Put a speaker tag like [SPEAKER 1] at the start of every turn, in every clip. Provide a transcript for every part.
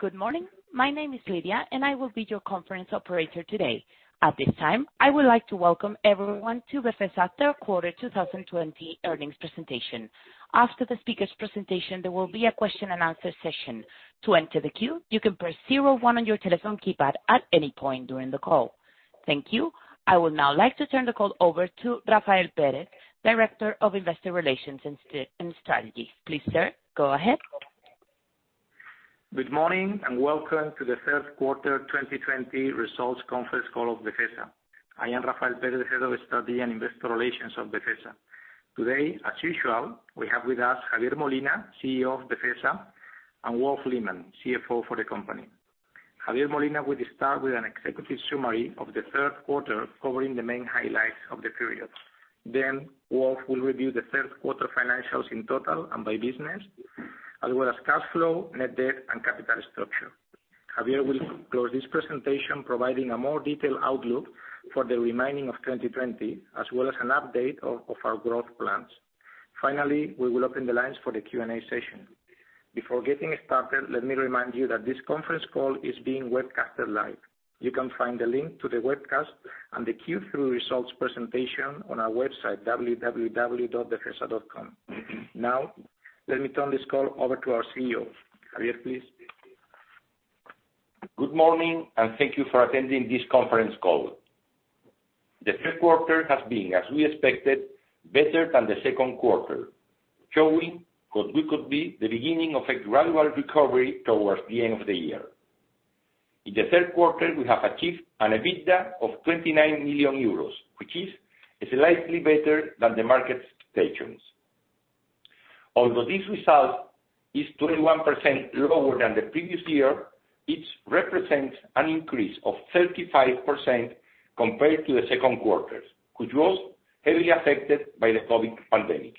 [SPEAKER 1] Good morning. My name is Lydia, and I will be your conference operator today. At this time, I would like to welcome everyone to Befesa Third Quarter 2020 Earnings Presentation. After the speakers' presentation, there will be a question and answer session. To enter the queue, you can press 01 on your telephone keypad at any point during the call. Thank you. I would now like to turn the call over to Rafael Pérez, Director of Investor Relations and Strategy. Please, sir, go ahead.
[SPEAKER 2] Good morning, and welcome to the third quarter 2020 results conference call of Befesa. I am Rafael Pérez, Head of Strategy and Investor Relations of Befesa. Today, as usual, we have with us Javier Molina, CEO of Befesa, and Wolf Lehmann, CFO for the company. Javier Molina will start with an executive summary of the third quarter, covering the main highlights of the period. Wolf will review the third quarter financials in total and by business, as well as cash flow, net debt, and capital structure. Javier will close this presentation providing a more detailed outlook for the remaining of 2020, as well as an update of our growth plans. We will open the lines for the Q&A session. Before getting started, let me remind you that this conference call is being webcast live. You can find the link to the webcast and the Q3 results presentation on our website, www.befesa.com. Let me turn this call over to our CEO. Javier, please.
[SPEAKER 3] Good morning, and thank you for attending this conference call. The third quarter has been, as we expected, better than the second quarter, showing what we could be the beginning of a gradual recovery towards the end of the year. In the third quarter, we have achieved an EBITDA of 29 million euros, which is slightly better than the market's expectations. Although this result is 21% lower than the previous year, it represents an increase of 35% compared to the second quarter, which was heavily affected by the COVID pandemic.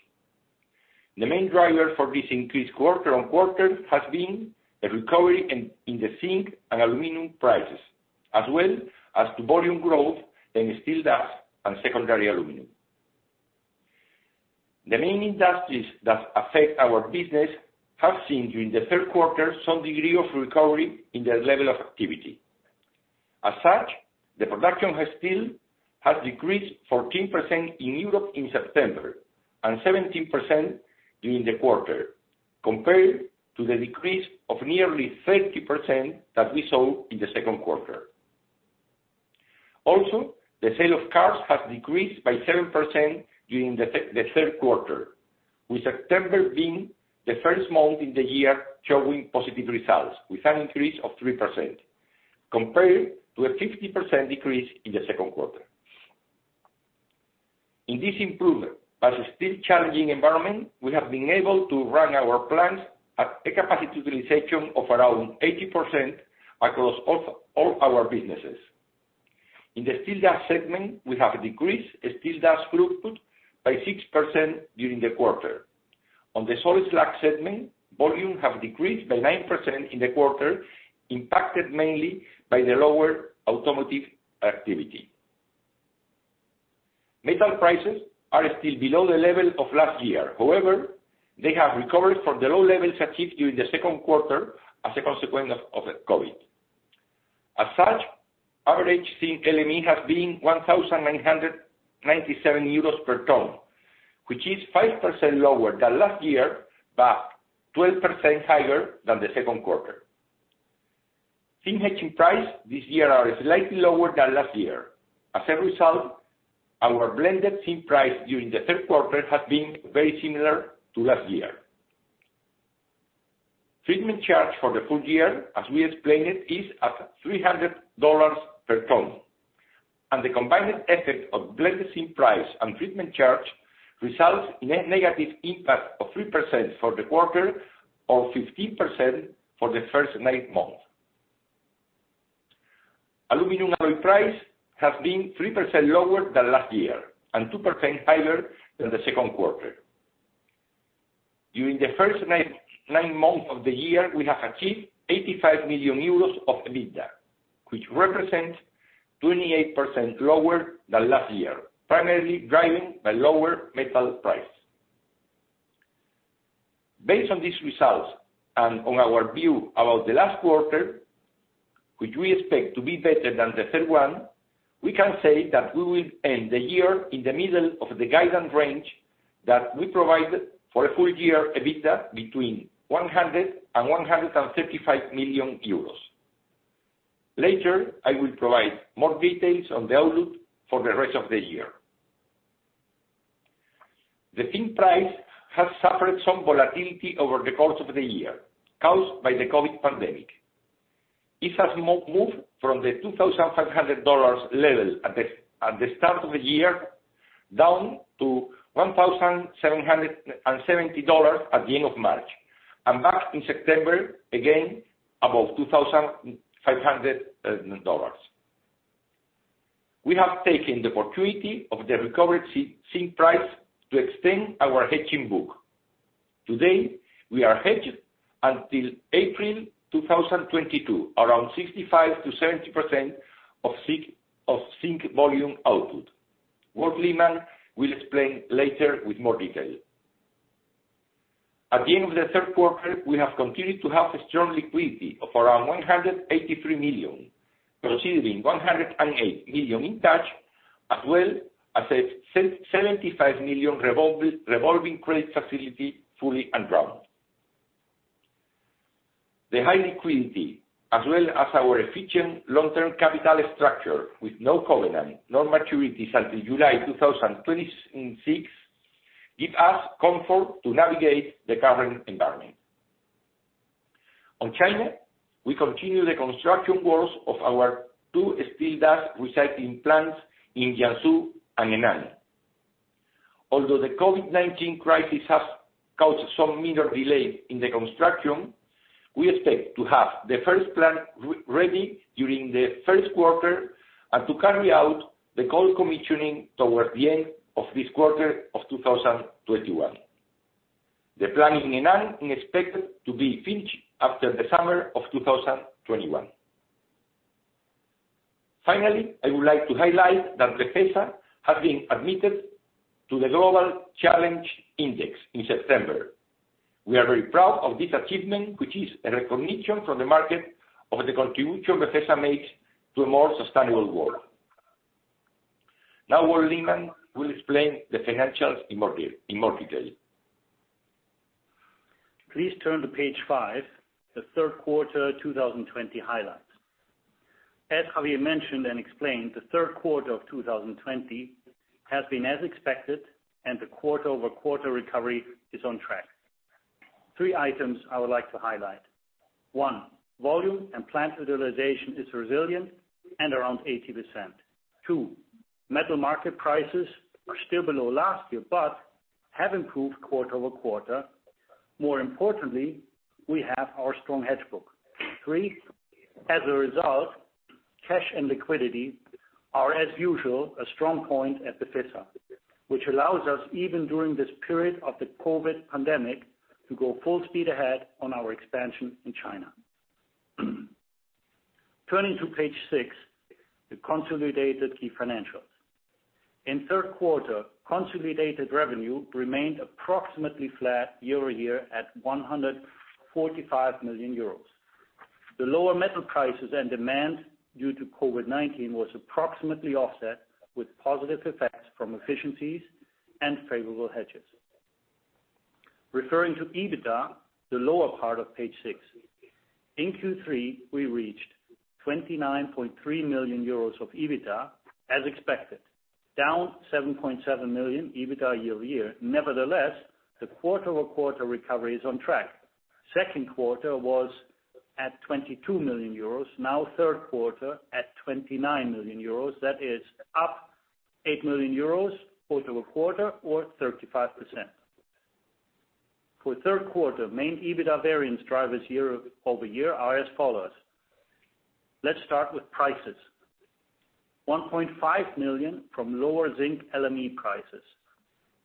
[SPEAKER 3] The main driver for this increased quarter-on-quarter has been a recovery in the zinc and aluminum prices, as well as the volume growth in steel dust and secondary aluminum. The main industries that affect our business have seen, during the third quarter, some degree of recovery in their level of activity. As such, the production of steel has decreased 14% in Europe in September and 17% during the quarter, compared to the decrease of nearly 30% that we saw in the second quarter. The sale of cars has decreased by 7% during the third quarter, with September being the first month in the year showing positive results, with an increase of 3%, compared to a 50% decrease in the second quarter. In this improved but still challenging environment, we have been able to run our plants at a capacity utilization of around 80% across all our businesses. In the steel dust segment, we have decreased steel dust throughput by 6% during the quarter. On the salt slag segment, volume have decreased by 9% in the quarter, impacted mainly by the lower automotive activity. Metal prices are still below the level of last year. However, they have recovered from the low levels achieved during the second quarter as a consequence of COVID. As such, average zinc LME has been 1,997 euros per tons, which is 5% lower than last year, but 12% higher than the second quarter. Zinc hedging price this year are slightly lower than last year. As a result, our blended zinc price during the third quarter has been very similar to last year. Treatment charge for the full year, as we explained it, is at $300 per tons. The combined effect of blended zinc price and treatment charge results in a negative impact of 3% for the quarter or 15% for the first nine months. Aluminum alloy price has been 3% lower than last year and 2% higher than the second quarter. During the first nine months of the year, we have achieved 85 million euros of EBITDA, which represents 28% lower than last year, primarily driven by lower metal price. Based on these results and on our view about the last quarter, which we expect to be better than the third one, we can say that we will end the year in the middle of the guidance range that we provided for a full year EBITDA between 100 million euros and 135 million euros. Later, I will provide more details on the outlook for the rest of the year. The zinc price has suffered some volatility over the course of the year, caused by the COVID pandemic. It has moved from the $2,500 level at the start of the year, down to $1,770 at the end of March, and back in September, again above $2,500. We have taken the opportunity of the recovered zinc price to extend our hedging book. Today, we are hedged until April 2022, around 65%-70% of zinc volume output. Wolf Lehmann will explain later with more detail. At the end of the third quarter, we have continued to have a strong liquidity of around 183 million, considering 108 million in cash, as well as a 75 million revolving credit facility fully undrawn. The high liquidity as well as our efficient long-term capital structure with no covenant, no maturities until July 2026, give us comfort to navigate the current environment. On China, we continue the construction works of our two steel dust recycling plants in Jiangsu and Henan. Although the COVID-19 crisis has caused some minor delays in the construction, we expect to have the first plant ready during the first quarter and to carry out the cold commissioning towards the end of this quarter of 2021. The plant in Henan is expected to be finished after the summer of 2021. Finally, I would like to highlight that Befesa has been admitted to the Global Challenges Index in September. We are very proud of this achievement, which is a recognition from the market of the contribution Befesa makes to a more sustainable world. Now, Wolf Lehmann will explain the financials in more detail.
[SPEAKER 4] Please turn to page five, the third quarter 2020 highlights. As Javier mentioned and explained, the third quarter of 2020 has been as expected and the quarter-over-quarter recovery is on track. Three items I would like to highlight. One, volume and plant utilization is resilient and around 80%. Two, metal market prices are still below last year, have improved quarter-over-quarter. More importantly, we have our strong hedge book. Three, as a result, cash and liquidity are, as usual, a strong point at Befesa, which allows us, even during this period of the COVID pandemic, to go full speed ahead on our expansion in China. Turning to page six, the consolidated key financials. In third quarter, consolidated revenue remained approximately flat year-over-year at 145 million euros. The lower metal prices and demand due to COVID-19 was approximately offset with positive effects from efficiencies and favorable hedges. Referring to EBITDA, the lower part of page six. In Q3, we reached 29.3 million euros of EBITDA as expected, down 7.7 million EBITDA year-over-year. The quarter-over-quarter recovery is on track. Second quarter was at 22 million euros, now third quarter at 29 million euros. That is up 8 million euros quarter-over-quarter or 35%. For third quarter, main EBITDA variance drivers year-over-year are as follows. Let's start with prices. 1.5 million from lower zinc LME prices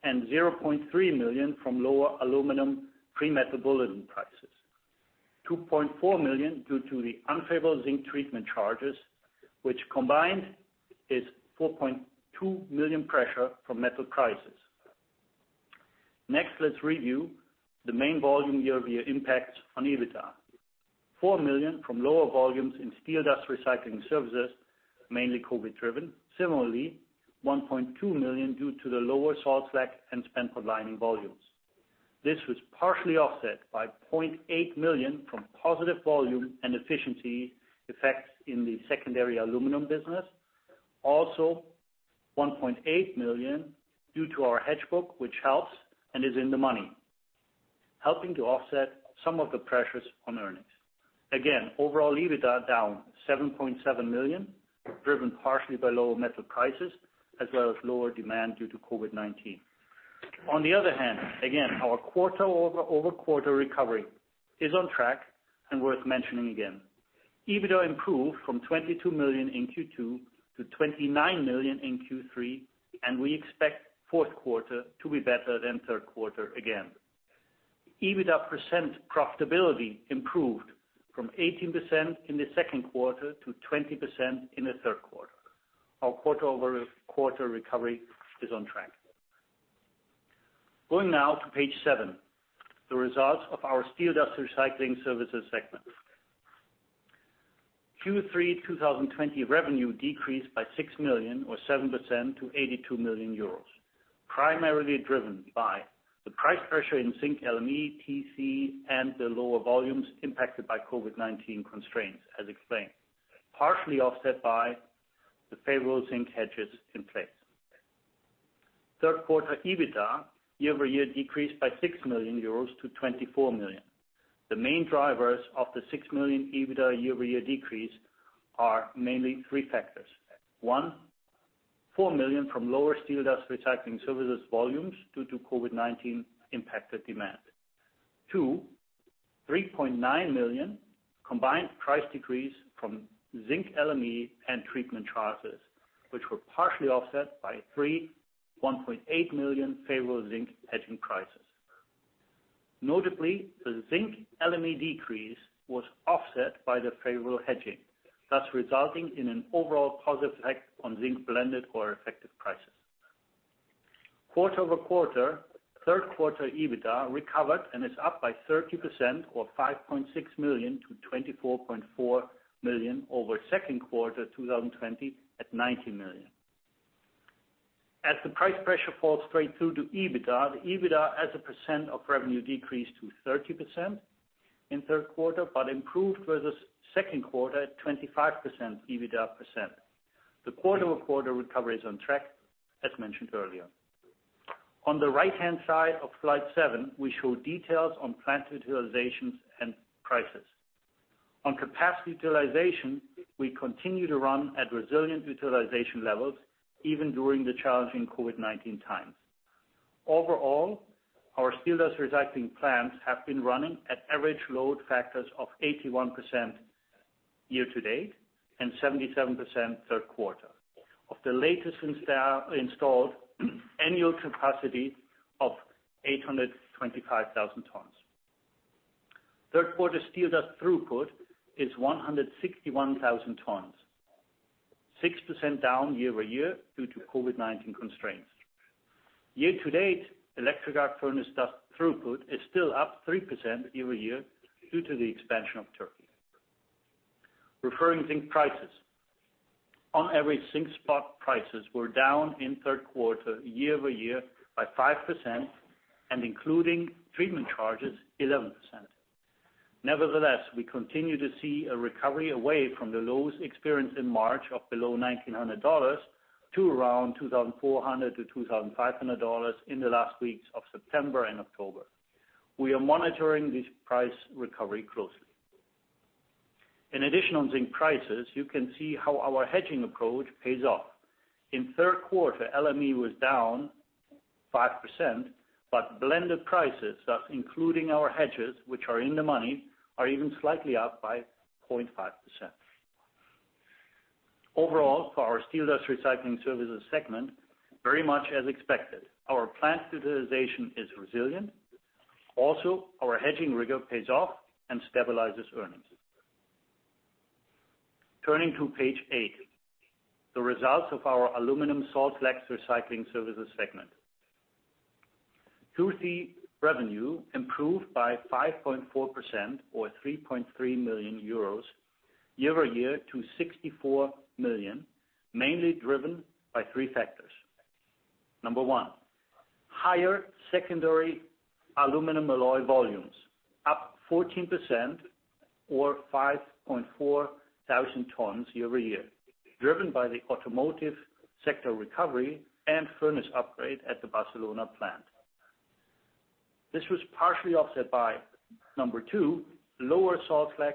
[SPEAKER 4] and 0.3 million from lower aluminum free Metal Bulletin prices. 2.4 million due to the unfavorable zinc treatment charges, which combined is 4.2 million pressure from metal prices. Next, let's review the main volume year-over-year impacts on EBITDA. 4 million from lower volumes in Steel Dust Recycling Services, mainly COVID driven. Similarly, 1.2 million due to the lower salt slag and spent potlining volumes. This was partially offset by 0.8 million from positive volume and efficiency effects in the secondary aluminum business. 1.8 million due to our hedge book, which helps and is in the money, helping to offset some of the pressures on earnings. Overall EBITDA down 7.7 million, driven partially by lower metal prices as well as lower demand due to COVID-19. Our quarter-over-quarter recovery is on track and worth mentioning again. EBITDA improved from 22 million in Q2 to 29 million in Q3, and we expect fourth quarter to be better than third quarter again. EBITDA percent profitability improved from 18% in the second quarter to 20% in the third quarter. Our quarter-over-quarter recovery is on track. Going now to page seven, the results of our Steel Dust Recycling Services segment. Q3 2020 revenue decreased by 6 million or 7% to 82 million euros, primarily driven by the price pressure in zinc LME, TC, and the lower volumes impacted by COVID-19 constraints, as explained, partially offset by the favorable zinc hedges in place. Third quarter EBITDA year-over-year decreased by 6 million euros to 24 million. The main drivers of the 6 million EBITDA year-over-year decrease are mainly three factors. One, 4 million from lower steel dust recycling services volumes due to COVID-19 impacted demand. Two, 3.9 million combined price decrease from zinc LME and treatment charges, which were partially offset by three, 1.8 million favorable zinc hedging prices. Notably, the zinc LME decrease was offset by the favorable hedging, thus resulting in an overall positive effect on zinc blended core effective prices. Quarter-over-quarter, third quarter EBITDA recovered and is up by 30% or 5.6 million to 24.4 million over second quarter 2020 at 19 million. As the price pressure falls straight through to EBITDA, the EBITDA as a percent of revenue decreased to 30% in third quarter, but improved versus second quarter at 25% EBITDA. The quarter-over-quarter recovery is on track as mentioned earlier. On the right-hand side of slide seven, we show details on plant utilizations and prices. On capacity utilization, we continue to run at resilient utilization levels, even during the challenging COVID-19 times. Overall, our steel dust recycling plants have been running at average load factors of 81% year-to-date and 77% third quarter. Of the latest installed annual capacity of 825,000 tons. Third quarter steel dust throughput is 161,000 tons, 6% down year-over-year due to COVID-19 constraints. Year to date, electric arc furnace dust throughput is still up 3% year-over-year due to the expansion of Turkey. Referring zinc prices. On average, zinc spot prices were down in third quarter year-over-year by 5% and including treatment charges, 11%. Nevertheless, we continue to see a recovery away from the lows experienced in March of below EUR 1,900 to around EUR 2,400-EUR 2,500 in the last weeks of September and October. We are monitoring this price recovery closely. In addition on zinc prices, you can see how our hedging approach pays off. In third quarter, LME was down 5%, but blended prices, thus including our hedges which are in the money, are even slightly up by 0.5%. Overall, for our steel dust recycling services segment, very much as expected. Our plant utilization is resilient. Also, our hedging rigor pays off and stabilizes earnings. Turning to page eight, the results of our Aluminium Salt Slags Recycling Services segment. Q3 revenue improved by 5.4% or 3.3 million euros year-over-year to 64 million, mainly driven by three factors. Number one, higher secondary aluminum alloy volumes, up 14% or 5,400 tons year-over-year, driven by the automotive sector recovery and furnace upgrade at the Barcelona plant. This was partially offset by, number two, lower salt slag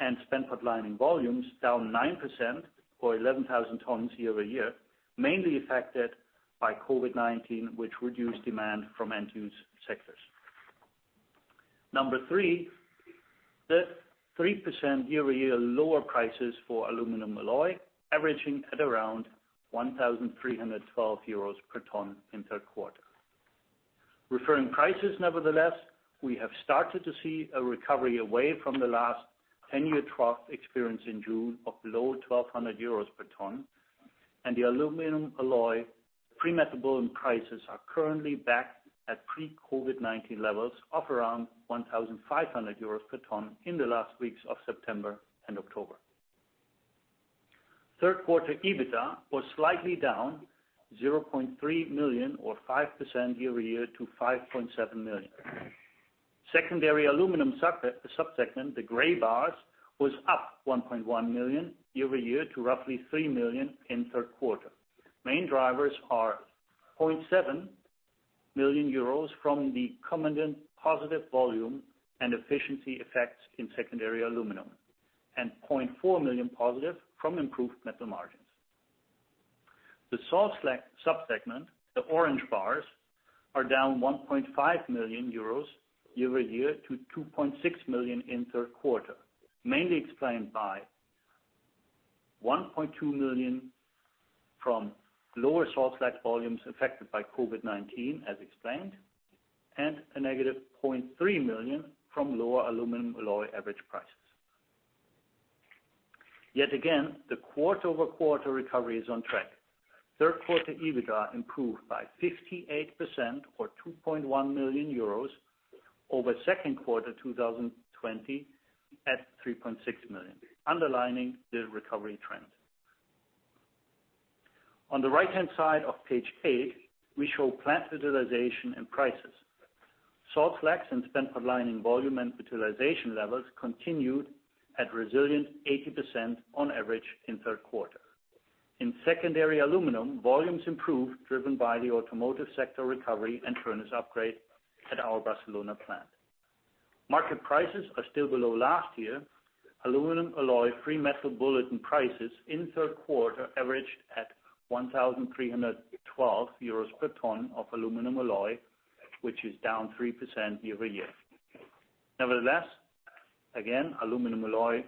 [SPEAKER 4] and spent potlining volumes down 9% or 11,000 tons year-over-year, mainly affected by COVID-19, which reduced demand from end use sectors. Number three, the 3% year-over-year lower prices for aluminum alloy, averaging at around 1,312 euros per tons in third quarter. Referring prices, we have started to see a recovery away from the last 10-year trough experienced in June of below 1,200 euros per tons, and the aluminum alloy free Metal Bulletin prices are currently back at pre-COVID-19 levels of around 1,500 euros per tons in the last weeks of September and October. Third quarter EBITDA was slightly down 0.3 million or 5% year-over-year to 5.7 million. Secondary aluminum subsegment, the gray bars, was up 1.1 million year-over-year to roughly 3 million in third quarter. Main drivers are 0.7 million euros from the combined positive volume and efficiency effects in secondary aluminum, and 0.4 million positive from improved metal margins. The salt slag segment, the orange bars, are down 1.5 million euros year-over-year to 2.6 million in third quarter, mainly explained by 1.2 million from lower salt slag volumes affected by COVID-19 as explained, and a negative 0.3 million from lower aluminum alloy average prices. Again, the quarter-over-quarter recovery is on track. Third quarter EBITDA improved by 58% or 2.1 million euros over second quarter 2020 at 3.6 million, underlining the recovery trend. On the right-hand side of page eight, we show plant utilization and prices. Salt slags and spent potlining volume and utilization levels continued at resilient 80% on average in third quarter. In secondary aluminum, volumes improved, driven by the automotive sector recovery and furnace upgrade at our Barcelona plant. Market prices are still below last year. Aluminum alloy free Metal Bulletin free market prices in third quarter averaged at 1,312 euros per tons of aluminum alloy, which is down 3% year-over-year. Nevertheless, again, aluminum alloy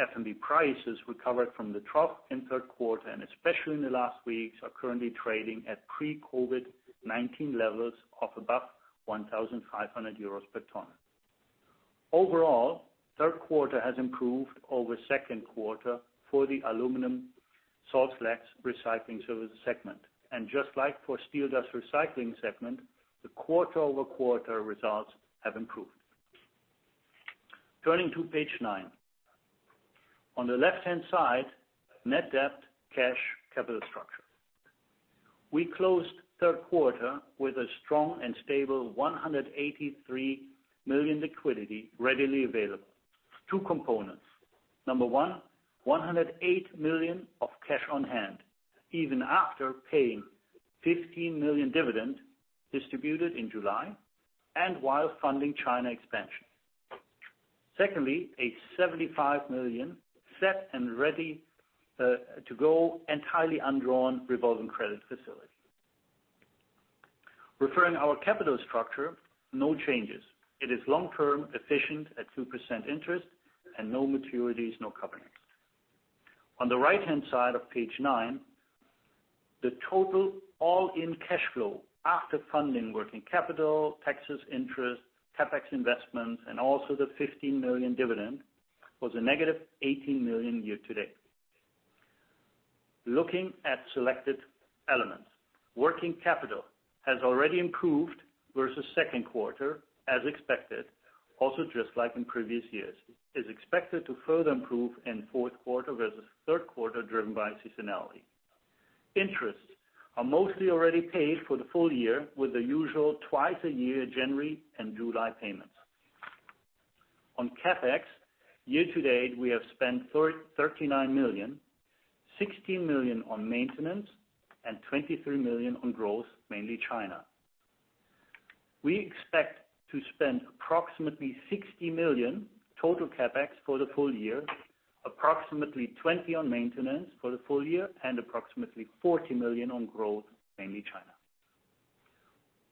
[SPEAKER 4] FMB prices recovered from the trough in third quarter, and especially in the last weeks, are currently trading at pre-COVID-19 levels of above 1,500 euros per tons. Overall, third quarter has improved over second quarter for the Aluminium Salt Slags Recycling Services segment. Just like for steel dust recycling segment, the quarter-over-quarter results have improved. Turning to page nine. On the left-hand side, net debt, cash, capital structure. We closed third quarter with a strong and stable 183 million liquidity readily available. Two components. Number one, 108 million of cash on hand, even after paying 15 million dividend distributed in July, and while funding China expansion. Secondly, a 75 million set and ready to go entirely undrawn revolving credit facility. Referring our capital structure, no changes. It is long-term, efficient at 2% interest, and no maturities, no covenants. On the right-hand side of page nine, the total all-in cash flow after funding working capital, taxes, interest, CapEx investments, and also the 15 million dividend, was a negative 18 million year to date. Looking at selected elements. Working capital has already improved versus second quarter, as expected. Also, just like in previous years, is expected to further improve in fourth quarter versus third quarter, driven by seasonality. Interests are mostly already paid for the full year, with the usual twice a year, January and July payments. On CapEx, year to date, we have spent 39 million, 16 million on maintenance, and 23 million on growth, mainly China. We expect to spend approximately 60 million total CapEx for the full year, approximately 20 million on maintenance for the full year, and approximately 40 million on growth, mainly China.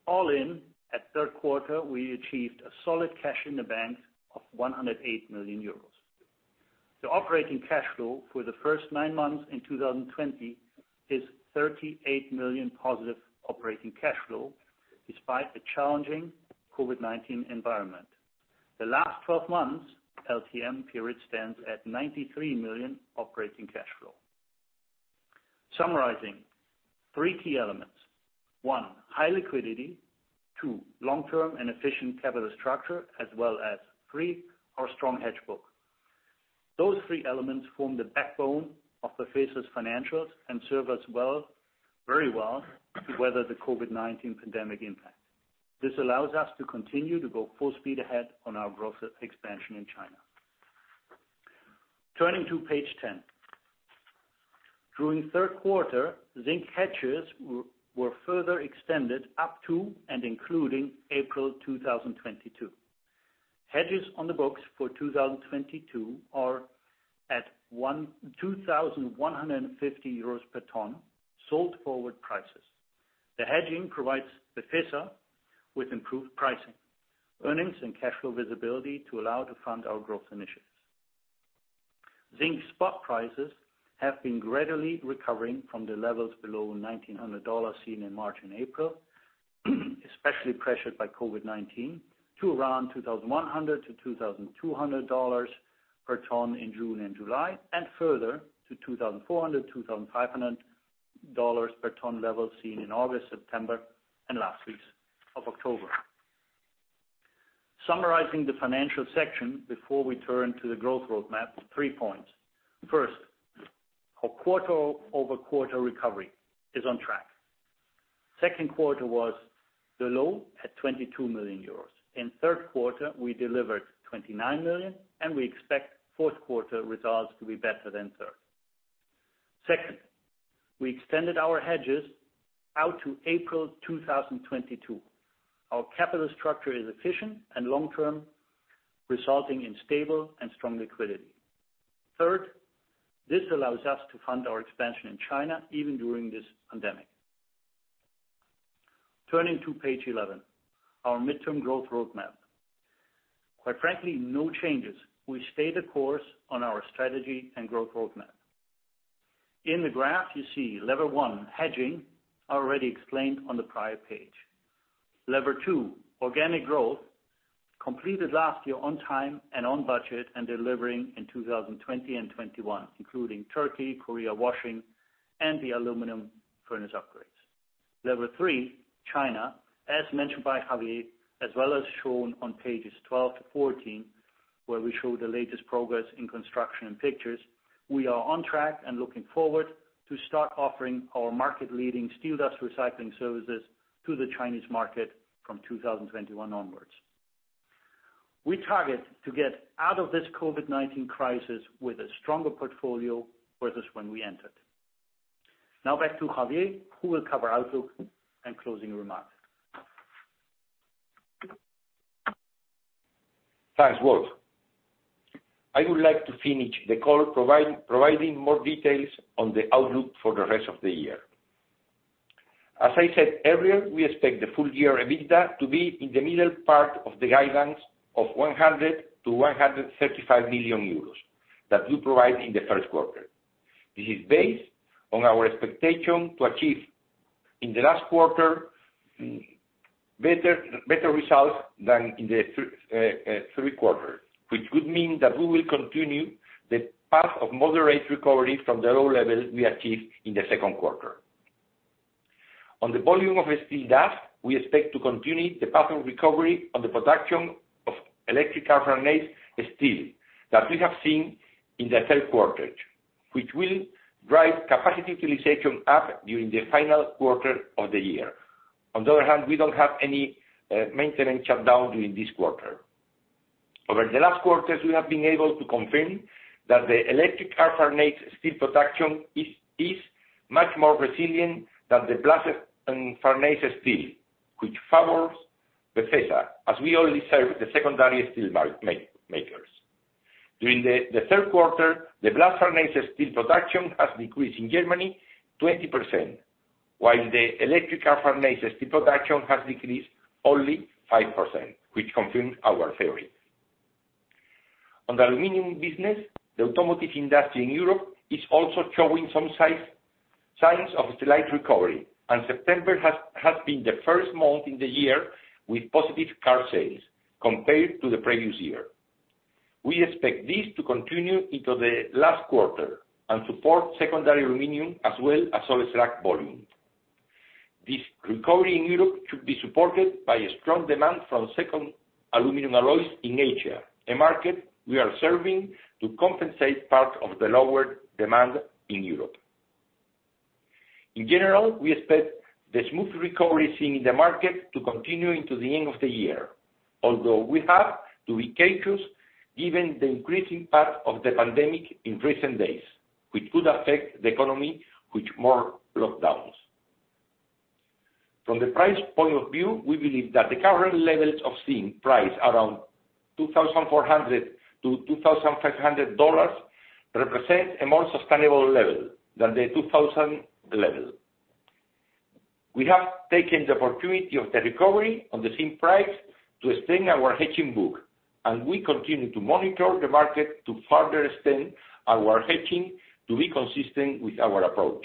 [SPEAKER 4] All in, at third quarter, we achieved a solid cash in the bank of 108 million euros. The operating cash flow for the first nine months in 2020 is 38 million positive operating cash flow, despite the challenging COVID-19 environment. The last 12 months LTM period stands at 93 million operating cash flow. Summarizing, three key elements. One, high liquidity. Two, long-term and efficient capital structure, as well as, three, our strong hedge book. Those three elements form the backbone of Befesa's financials and serve us very well to weather the COVID-19 pandemic impact. This allows us to continue to go full speed ahead on our growth expansion in China. Turning to page 10. During third quarter, zinc hedges were further extended up to and including April 2022. Hedges on the books for 2022 are at 2,150 euros per tons sold forward prices. The hedging provides Befesa with improved pricing, earnings, and cash flow visibility to allow to fund our growth initiatives. Zinc spot prices have been gradually recovering from the levels below $1,900 seen in March and April, especially pressured by COVID-19, to around $2,100-$2,200 per tons in June and July, and further to $2,400, $2,500 per tons level seen in August, September, and last weeks of October. Summarizing the financial section before we turn to the growth roadmap, three points. First, our quarter-over-quarter recovery is on track. Second quarter was the low at 22 million euros. In third quarter, we delivered 29 million. We expect fourth quarter results to be better than third. Second, we extended our hedges out to April 2022. Our capital structure is efficient and long-term, resulting in stable and strong liquidity. Third, this allows us to fund our expansion in China, even during this pandemic. Turning to page 11, our midterm growth roadmap. Quite frankly, no changes. We stay the course on our strategy and growth roadmap. In the graph, you see lever one, hedging, already explained on the prior page. Lever two, organic growth, completed last year on time and on budget, and delivering in 2020 and 2021, including Turkey, Korea washing, and the aluminum furnace upgrades. Lever three, China, as mentioned by Javier, as well as shown on pages 12-14, where we show the latest progress in construction and pictures, we are on track and looking forward to start offering our market-leading steel dust recycling services to the Chinese market from 2021 onwards. We target to get out of this COVID-19 crisis with a stronger portfolio versus when we entered. Now back to Javier, who will cover outlook and closing remarks.
[SPEAKER 3] Thanks, Wolf. I would like to finish the call providing more details on the outlook for the rest of the year. As I said earlier, we expect the full year EBITDA to be in the middle part of the guidance of 100 million-135 million euros that we provide in the first quarter. This is based on our expectation to achieve, in the last quarter, better results than in the three quarters, which would mean that we will continue the path of moderate recovery from the low level we achieved in the second quarter. On the volume of steel dust, we expect to continue the path of recovery on the production of electric arc furnace steel that we have seen in the third quarter, which will drive capacity utilization up during the final quarter of the year. On the other hand, we don't have any maintenance shutdown during this quarter. Over the last quarters, we have been able to confirm that the electric arc furnace steel production is much more resilient than the blast furnace steel, which favors Befesa, as we only serve the secondary steel makers. During the third quarter, the blast furnace steel production has decreased in Germany 20%, while the electric arc furnace steel production has decreased only 5%, which confirms our theory. September has been the first month in the year with positive car sales compared to the previous year. We expect this to continue into the last quarter and support secondary aluminum as well as salt slag volume. This recovery in Europe should be supported by a strong demand from secondary aluminum alloys in Asia, a market we are serving to compensate part of the lower demand in Europe. In general, we expect the smooth recovery seen in the market to continue into the end of the year, although we have to be cautious given the increasing part of the pandemic in recent days, which could affect the economy with more lockdowns. From the price point of view, we believe that the current levels of zinc price, around EUR 2,400-EUR 2,500, represent a more sustainable level than the 2,000 level. We have taken the opportunity of the recovery of the zinc price to extend our hedging book, and we continue to monitor the market to further extend our hedging to be consistent with our approach.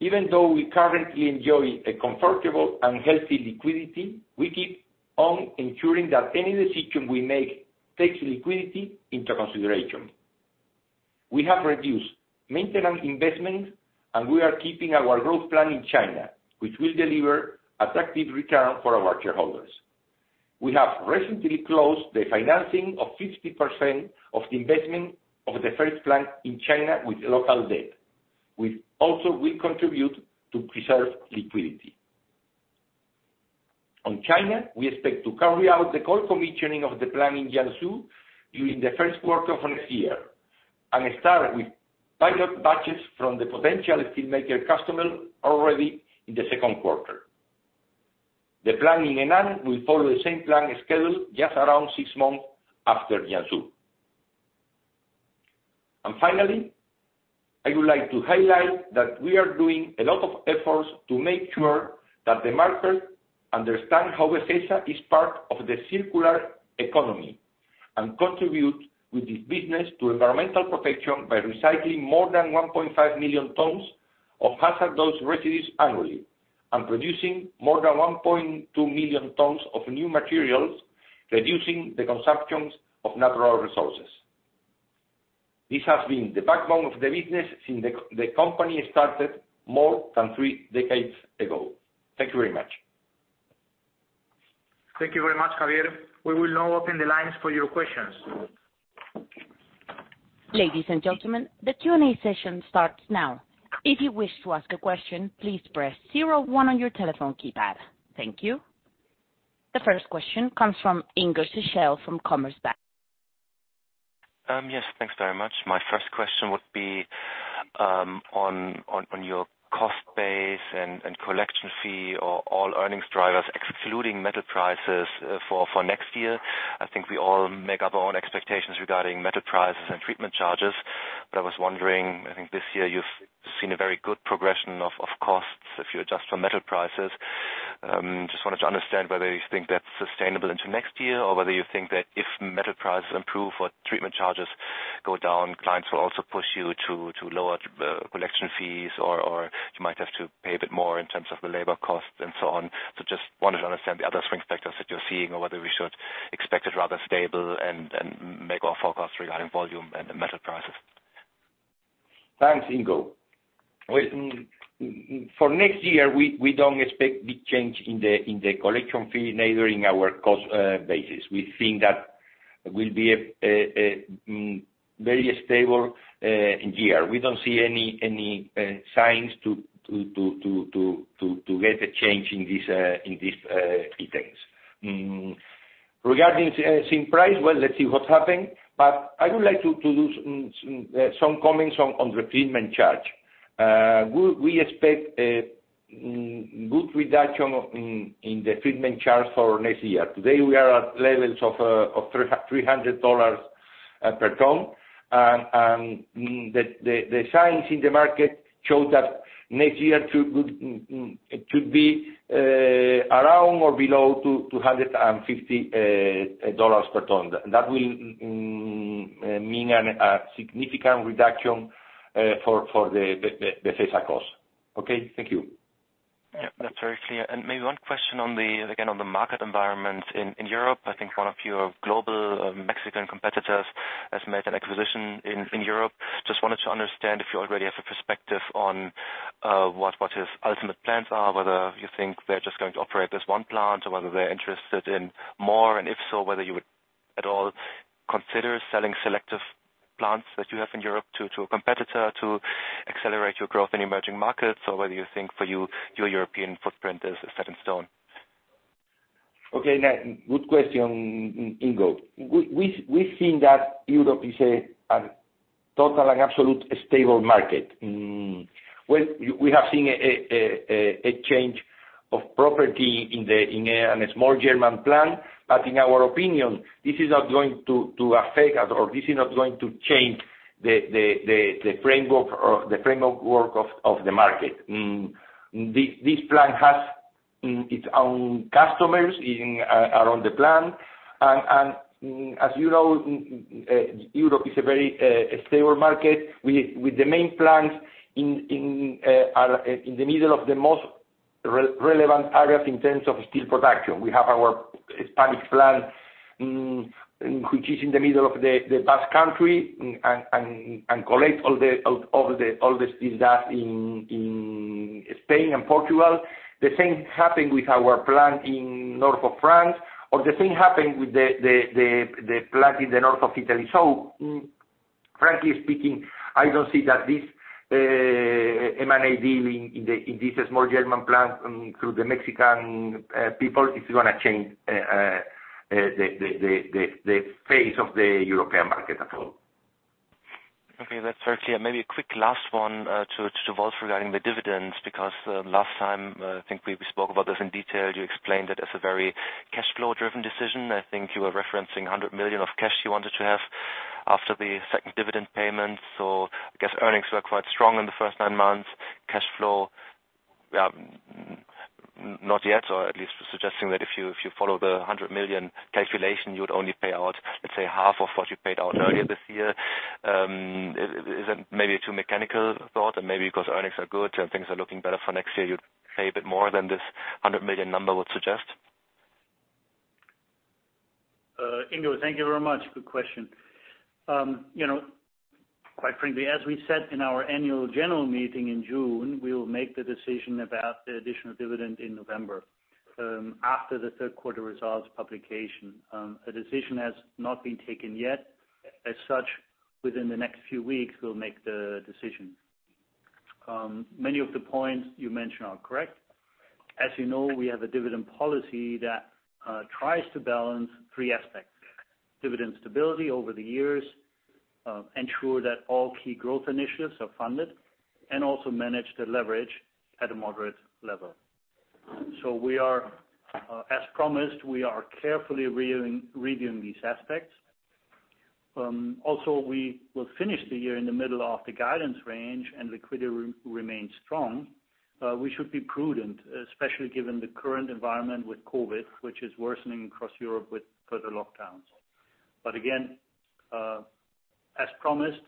[SPEAKER 3] Even though we currently enjoy a comfortable and healthy liquidity, we keep on ensuring that any decision we make takes liquidity into consideration. We have reduced maintenance investments, and we are keeping our growth plan in China, which will deliver attractive return for our shareholders. We have recently closed the financing of 50% of the investment of the first plant in China with local debt, which also will contribute to preserve liquidity. On China, we expect to carry out the cold commissioning of the plant in Jiangsu during the first quarter of next year, and start with pilot batches from the potential steel maker customer already in the second quarter. The plant in Henan will follow the same plan schedule just around six months after Jiangsu. Finally, I would like to highlight that we are doing a lot of efforts to make sure that the market understand how Befesa is part of the circular economy and contribute with this business to environmental protection by recycling more than 1.5 million tons of hazardous waste residues annually and producing more than 1.2 million tons of new materials, reducing the consumptions of natural resources. This has been the backbone of the business since the company started more than three decades ago. Thank you very much.
[SPEAKER 2] Thank you very much, Javier. We will now open the lines for your questions.
[SPEAKER 1] Ladies and gentlemen, the Q&A session starts now. If you wish to ask a question, please press 01 on your telephone keypad. Thank you. The first question comes from Ingo Schachel from Commerzbank.
[SPEAKER 5] Yes, thanks very much. My first question would be on your cost base and collection fee, or all earnings drivers, excluding metal prices, for next year. I think we all make up our own expectations regarding metal prices and treatment charges. I was wondering, I think this year you've seen a very good progression of costs if you adjust for metal prices. Just wanted to understand whether you think that's sustainable into next year, or whether you think that if metal prices improve or treatment charges go down, clients will also push you to lower collection fees, or you might have to pay a bit more in terms of the labor cost and so on. Just wanted to understand the other swing factors that you're seeing or whether we should expect it rather stable and make our forecast regarding volume and metal prices.
[SPEAKER 3] Thanks, Ingo. For next year, we don't expect big change in the collection fee, neither in our cost basis. We think that will be a very stable year. We don't see any signs to get a change in these items. Regarding zinc price, well, let's see what happen. I would like to do some comments on the treatment charge. We expect a good reduction in the treatment charge for next year. Today, we are at levels of $300 per tons. The signs in the market show that next year it could be around or below $250 per tons. That will mean a significant reduction for the Befesa costs. Okay, thank you.
[SPEAKER 5] Yeah, that's very clear. Maybe one question, again, on the market environment in Europe. I think one of your global Mexican competitors has made an acquisition in Europe. Just wanted to understand if you already have a perspective on what his ultimate plans are, whether you think they're just going to operate this one plant or whether they're interested in more, and if so, whether you would at all consider selling selective plants that you have in Europe to a competitor to accelerate your growth in emerging markets, or whether you think for you, your European footprint is set in stone.
[SPEAKER 3] Okay. Good question, Ingo. We've seen that Europe is a total and absolute stable market. Well, we have seen a change of property in a small German plant, but in our opinion, this is not going to affect us, or this is not going to change the framework of the market. This plant has its own customers around the plant. As you know, Europe is a very stable market with the main plants in the middle of the most relevant areas in terms of steel production. We have our Spanish plant, which is in the middle of the Basque Country and collects all the steel dust in Spain and Portugal. The same happened with our plant in north of France, or the same happened with the plant in the north of Italy. Frankly speaking, I don't see that this M&A deal in this small German plant through the Mexican people, is going to change the face of the European market at all.
[SPEAKER 5] Okay, that's very clear. Maybe a quick last one to Wolf regarding the dividends, because last time, I think we spoke about this in detail. You explained it as a very cash flow driven decision. I think you were referencing 100 million of cash you wanted to have after the second dividend payment. I guess earnings were quite strong in the first nine months. Cash flow, not yet, or at least suggesting that if you follow the 100 million calculation, you would only pay out, let's say, half of what you paid out earlier this year. Is that maybe too mechanical a thought, and maybe because earnings are good and things are looking better for next year, you'd pay a bit more than this 100 million number would suggest?
[SPEAKER 4] Ingo, thank you very much. Good question. Quite frankly, as we said in our annual general meeting in June, we will make the decision about the additional dividend in November after the third quarter results publication. A decision has not been taken yet. As such, within the next few weeks, we'll make the decision. Many of the points you mentioned are correct. As you know, we have a dividend policy that tries to balance three aspects, dividend stability over the years, ensure that all key growth initiatives are funded, and also manage the leverage at a moderate level. As promised, we are carefully reviewing these aspects. We will finish the year in the middle of the guidance range and liquidity remains strong. We should be prudent, especially given the current environment with COVID, which is worsening across Europe with further lockdowns. Again, as promised,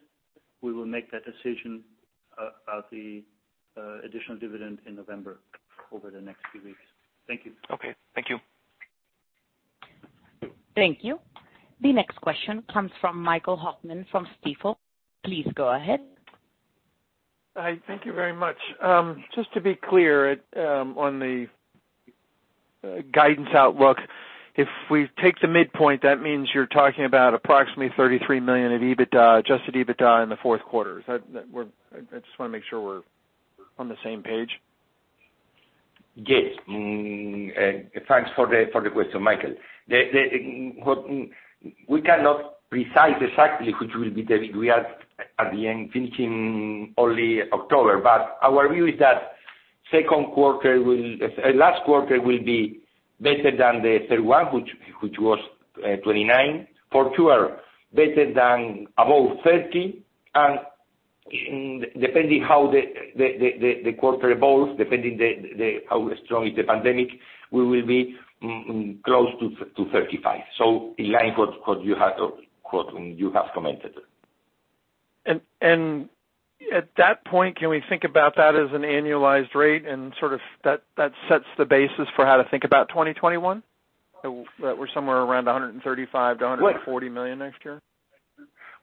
[SPEAKER 4] we will make that decision about the additional dividend in November over the next few weeks. Thank you.
[SPEAKER 5] Okay. Thank you.
[SPEAKER 1] Thank you. The next question comes from Michael Hoffman from Stifel. Please go ahead.
[SPEAKER 6] Hi. Thank you very much. Just to be clear, on the guidance outlook, if we take the midpoint, that means you're talking about approximately 33 million of EBITDA, adjusted EBITDA, in the fourth quarter. I just want to make sure we're on the same page.
[SPEAKER 3] Yes. Thanks for the question, Michael. We cannot precise exactly which will be. We are at the end, finishing only October. Our view is that last quarter will be better than the third one, which was 29 million, for sure better than above 30 million. Depending how the quarter evolves, depending how strong is the pandemic, we will be close to 35 million. In line with what you have commented.
[SPEAKER 6] At that point, can we think about that as an annualized rate and sort of that sets the basis for how to think about 2021? That we're somewhere around 135 million-140 million next year?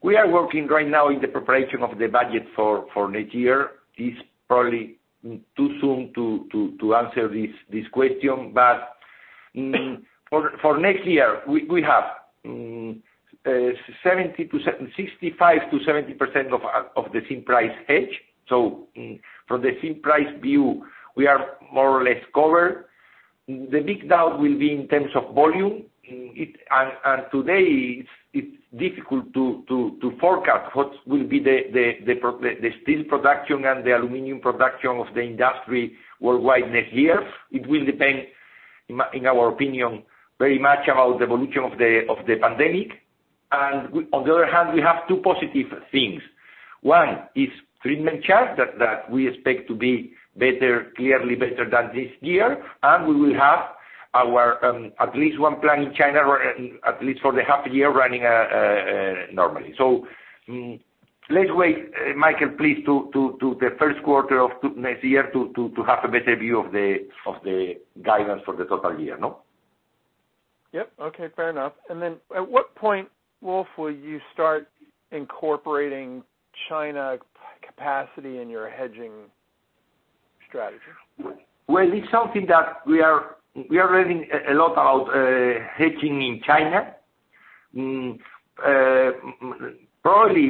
[SPEAKER 3] We are working right now in the preparation of the budget for next year. It's probably too soon to answer this question. For next year, we have 65%-70% of the zinc price hedge. From the zinc price view, we are more or less covered. The big doubt will be in terms of volume. Today, it's difficult to forecast what will be the steel production and the aluminum production of the industry worldwide next year. It will depend, in our opinion, very much about the evolution of the pandemic. On the other hand, we have two positive things. One is treatment charge that we expect to be clearly better than this year, and we will have at least one plant in China, at least for the half year, running normally. Let's wait, Michael, please, to the first quarter of next year to have a better view of the guidance for the total year. No?
[SPEAKER 6] Yep. Okay, fair enough. At what point, Wolf, will you start incorporating China capacity in your hedging strategy?
[SPEAKER 3] Well, it is something that we are learning a lot about hedging in China. Probably,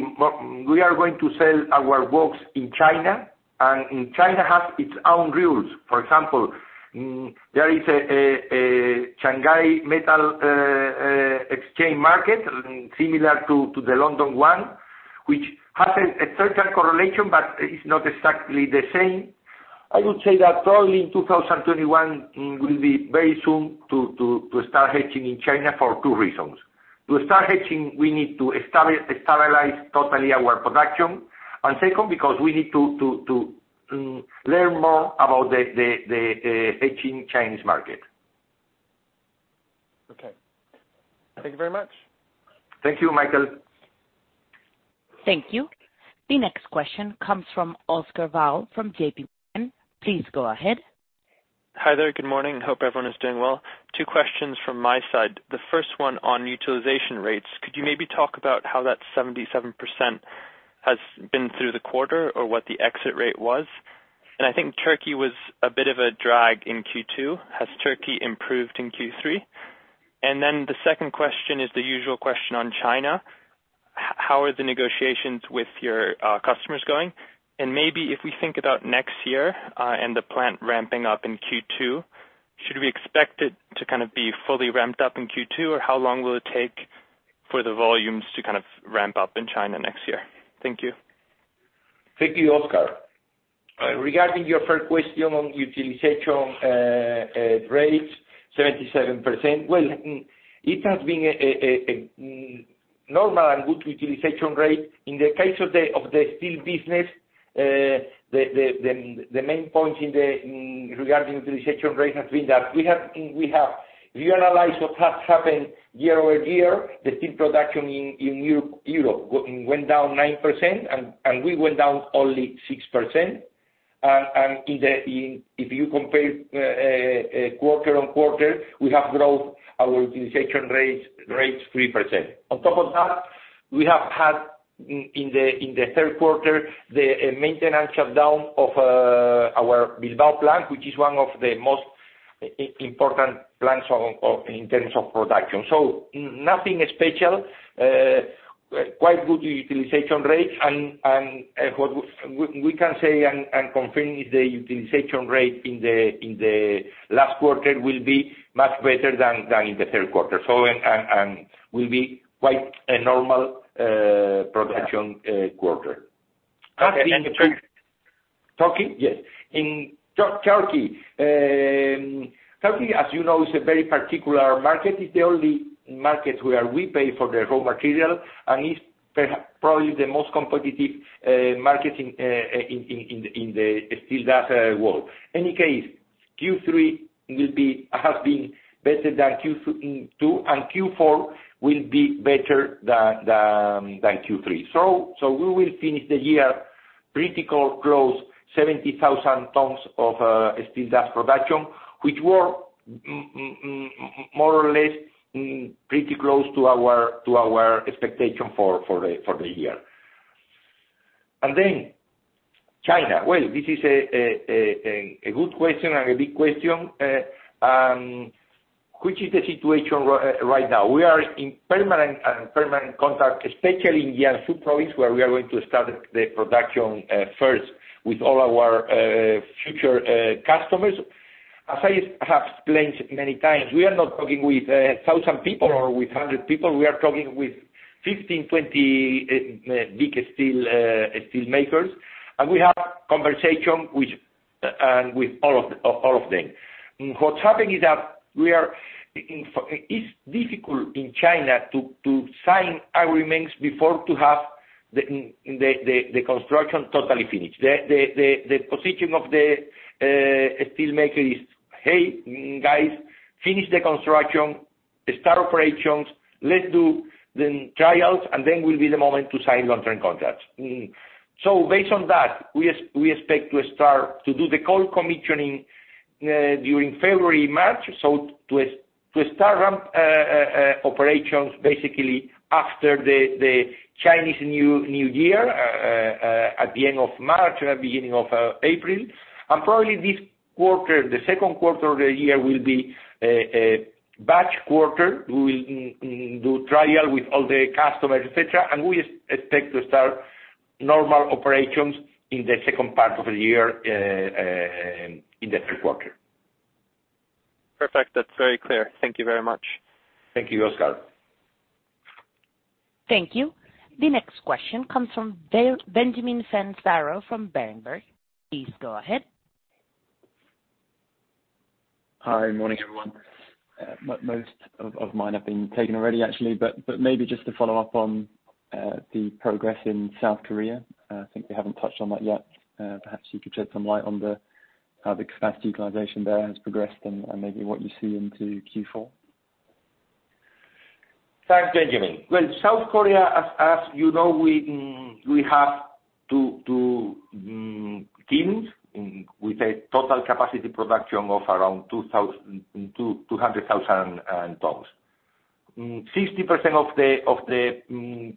[SPEAKER 3] we are going to sell our works in China, and China has its own rules. For example, there is a Shanghai Futures Exchange market similar to the London one, which has a certain correlation, but it is not exactly the same. I would say that probably in 2021 will be very soon to start hedging in China for two reasons. To start hedging, we need to stabilize totally our production, and second, because we need to learn more about the hedging Chinese market.
[SPEAKER 6] Okay. Thank you very much.
[SPEAKER 3] Thank you, Michael.
[SPEAKER 1] Thank you. The next question comes from Oscar Val from JPMorgan. Please go ahead.
[SPEAKER 7] Hi there. Good morning. Hope everyone is doing well. Two questions from my side. The first one on utilization rates. Could you maybe talk about how that 77% has been through the quarter or what the exit rate was? I think Turkey was a bit of a drag in Q2. Has Turkey improved in Q3? The second question is the usual question on China. How are the negotiations with your customers going? Maybe if we think about next year, and the plant ramping up in Q2, should we expect it to kind of be fully ramped up in Q2? How long will it take for the volumes to ramp up in China next year? Thank you.
[SPEAKER 3] Thank you, Oscar. Regarding your first question on utilization rates, 77%. Well, it has been a normal and good utilization rate. In the case of the steel business, the main point regarding utilization rate has been that we have reanalyzed what has happened year-over-year. The steel production in Europe went down 9%, we went down only 6%. If you compare quarter-on-quarter, we have grown our utilization rates 3%. On top of that, we have had, in the third quarter, the maintenance shutdown of our Bilbao plant, which is one of the most important plants in terms of production. Nothing special, quite good utilization rate. What we can say and confirm is the utilization rate in the last quarter will be much better than in the third quarter. It will be quite a normal production quarter.
[SPEAKER 7] The Turkey.
[SPEAKER 3] Turkey? Yes. In Turkey, as you know, it's a very particular market. It's the only market where we pay for the raw material, and it's probably the most competitive market in the steel dust world. Any case, Q3 has been better than Q2, and Q4 will be better than Q3. We will finish the year pretty close, 70,000 tons of steel dust production, which were more or less pretty close to our expectation for the year. China. Well, this is a good question and a big question. Which is the situation right now? We are in permanent contact, especially in Jiangsu Province, where we are going to start the production first with all our future customers. As I have explained many times, we are not talking with 1,000 people or with 100 people. We are talking with 15, 20 big steelmakers, and we have conversation with all of them. What's happening is that it's difficult in China to sign agreements before to have the construction totally finished. The position of the steelmaker is, "Hey, guys, finish the construction. Start operations. Let's do the trials, and then will be the moment to sign long-term contracts." Based on that, we expect to start to do the cold commissioning during February, March. To start ramp operations basically after the Chinese New Year, at the end of March or beginning of April. Probably this quarter, the second quarter of the year, will be a batch quarter. We will do trial with all the customers, et cetera, and we expect to start normal operations in the second part of the year, in the third quarter.
[SPEAKER 7] Perfect. That's very clear. Thank you very much.
[SPEAKER 3] Thank you, Oscar.
[SPEAKER 1] Thank you. The next question comes from Benjamin Pfannes-Varrow from Berenberg. Please go ahead.
[SPEAKER 8] Hi. Morning, everyone. Most of mine have been taken already, actually, but maybe just to follow up on the progress in South Korea. I think we haven't touched on that yet. Perhaps you could shed some light on how the capacity utilization there has progressed and maybe what you see into Q4.
[SPEAKER 3] Thanks, Benjamin. Well, South Korea, as you know, we have two kilns with a total capacity production of around 200,000 tons. 60% of the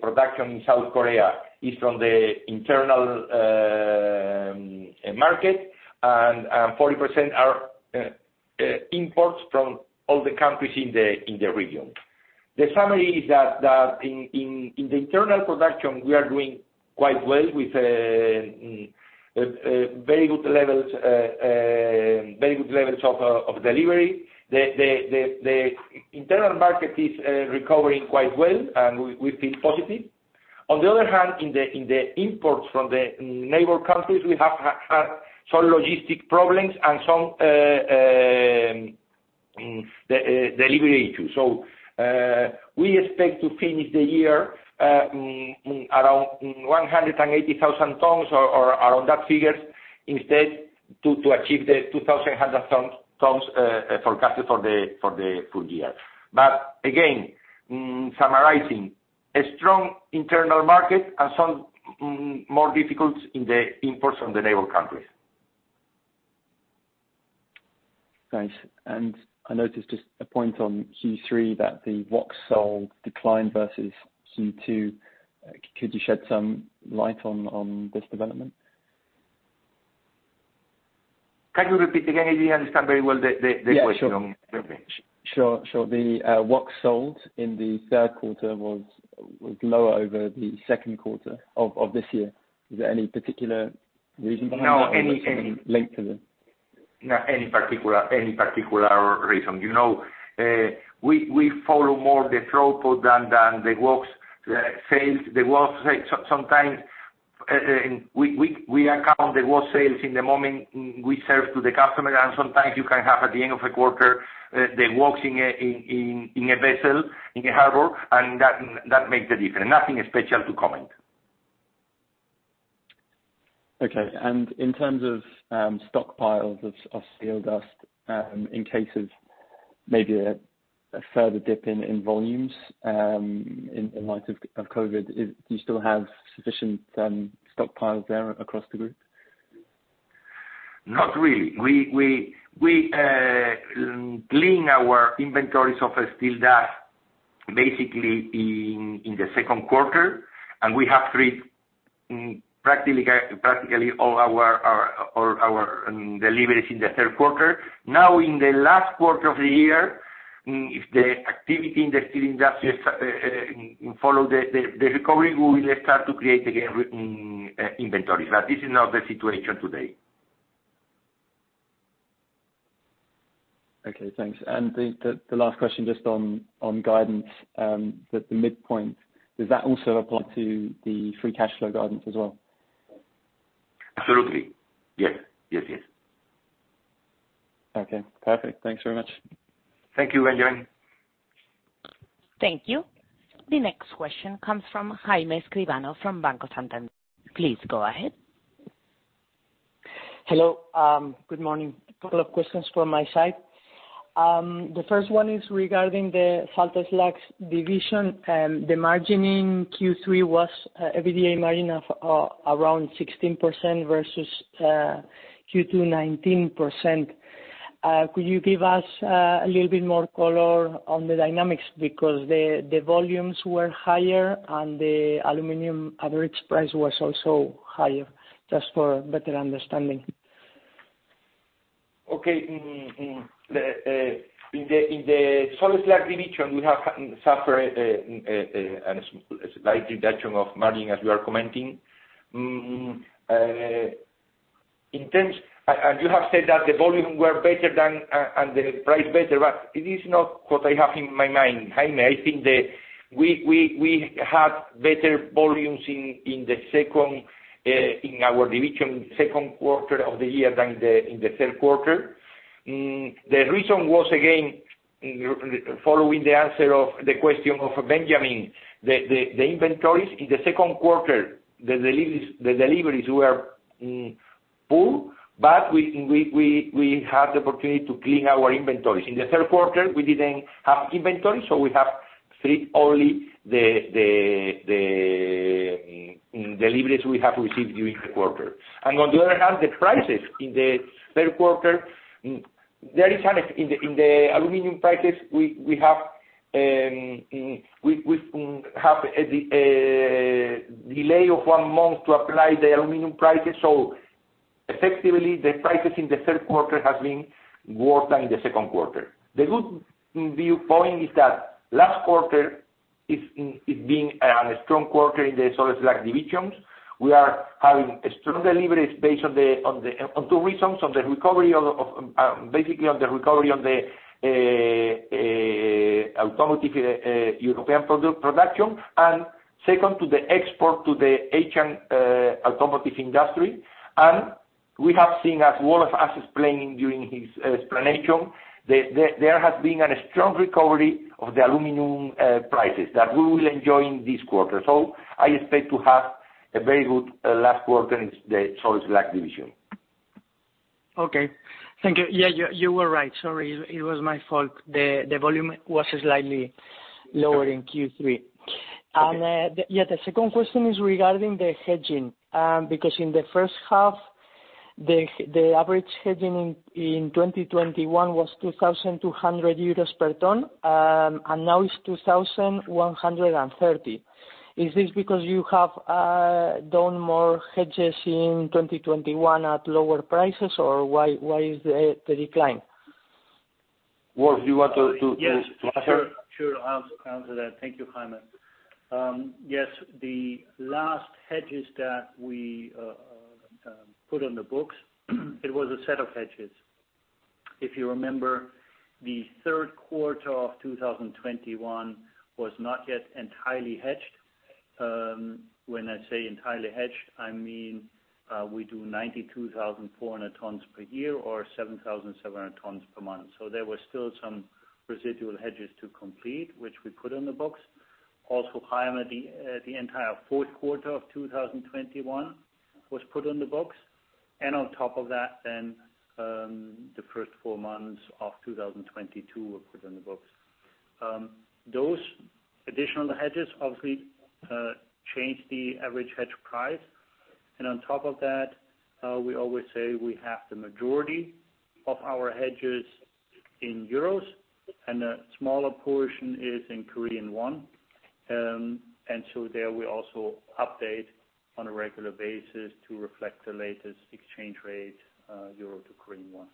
[SPEAKER 3] production in South Korea is from the internal market, and 40% are imports from all the countries in the region. The summary is that in the internal production, we are doing quite well with very good levels of delivery. The internal market is recovering quite well, and we feel positive. On the other hand, in the imports from the neighbor countries, we have had some logistic problems and some delivery issues. We expect to finish the year around 180,000 tons or around that figure instead to achieve the 200,000 tons forecasted for the full year. Again, summarizing, a strong internal market and some more difficulties in the imports from the neighbor countries.
[SPEAKER 8] Thanks. I noticed just a point on Q3 that the WOX sold declined versus Q2. Could you shed some light on this development?
[SPEAKER 3] Can you repeat again? I didn't understand very well the question.
[SPEAKER 8] Yeah, sure. The WOX sold in the third quarter was lower over the second quarter of this year. Is there any particular reason behind that?
[SPEAKER 3] No.
[SPEAKER 8] Any link to the.
[SPEAKER 3] Not any particular reason. We follow more the throughput than the WOX sales. The WOX sales, sometimes, we account the WOX sales in the moment we serve to the customer, and sometimes you can have, at the end of a quarter, the WOX in a vessel in a harbor, and that makes the difference. Nothing special to comment.
[SPEAKER 8] Okay. In terms of stockpiles of steel dust, in case of maybe a further dip in volumes in light of COVID, do you still have sufficient stockpiles there across the group?
[SPEAKER 3] Not really. We clean our inventories of steel dust basically in the second quarter, and we have practically all our deliveries in the third quarter. In the last quarter of the year, if the activity in the steel industry follow the recovery, we will start to create again inventories. This is not the situation today.
[SPEAKER 8] Okay, thanks. The last question, just on guidance, the midpoint. Does that also apply to the free cash flow guidance as well?
[SPEAKER 3] Absolutely. Yes.
[SPEAKER 8] Okay, perfect. Thanks very much.
[SPEAKER 3] Thank you, Benjamin.
[SPEAKER 1] Thank you. The next question comes from Jaime Escribano of Banco Santander. Please go ahead.
[SPEAKER 9] Hello, good morning. A couple of questions from my side. The first one is regarding the salt slags division. The margin in Q3 was EBITDA margin of around 16% versus Q2, 19%. Could you give us a little bit more color on the dynamics? The volumes were higher, and the aluminum average price was also higher. Just for better understanding.
[SPEAKER 3] Okay. In the salt slag division, we have suffered a slight reduction of margin, as you are commenting. You have said that the volume were better and the price better, but it is not what I have in my mind, Jaime. I think that we had better volumes in our division second quarter of the year than in the third quarter. The reason was, again, following the answer of the question of Benjamin, the inventories in the second quarter, the deliveries were poor, but we had the opportunity to clean our inventories. In the third quarter, we didn't have inventory, so we have fit only the deliveries we have received during the quarter. On the other hand, the prices in the third quarter, in the aluminium prices, we have a delay of one month to apply the aluminium prices. Effectively, the prices in the third quarter has been worse than in the second quarter. The good viewpoint is that last quarter is being a strong quarter in the salt slag divisions. We are having strong deliveries based on two reasons: basically on the recovery of the Automotive European production, and second to the export to the Asian automotive industry. We have seen, as Wolf was explaining during his explanation, there has been a strong recovery of the aluminum prices that we will enjoy in this quarter. I expect to have a very good last quarter in the steel dust division.
[SPEAKER 9] Okay. Thank you. Yeah, you were right. Sorry, it was my fault. The volume was slightly lower in Q3. The second question is regarding the hedging, because in the first half, the average hedging in 2021 was 2,200 euros per tons, and now it's 2,130. Is this because you have done more hedges in 2021 at lower prices, or why is the decline?
[SPEAKER 3] Wolf, do you want to answer?
[SPEAKER 4] Sure. I'll answer that. Thank you, Jaime. Yes, the last hedges that we put on the books, it was a set of hedges. If you remember, the third quarter of 2021 was not yet entirely hedged. When I say entirely hedged, I mean we do 92,400 tons per year or 7,700 tons per month. There were still some residual hedges to complete, which we put on the books. Also, Jaime, the entire fourth quarter of 2021 was put on the books. On top of that, the first four months of 2022 were put on the books. Those additional hedges obviously change the average hedge price. On top of that, we always say we have the majority of our hedges in euros, and a smaller portion is in Korean won. There, we also update on a regular basis to reflect the latest exchange rate, euros to Korean won.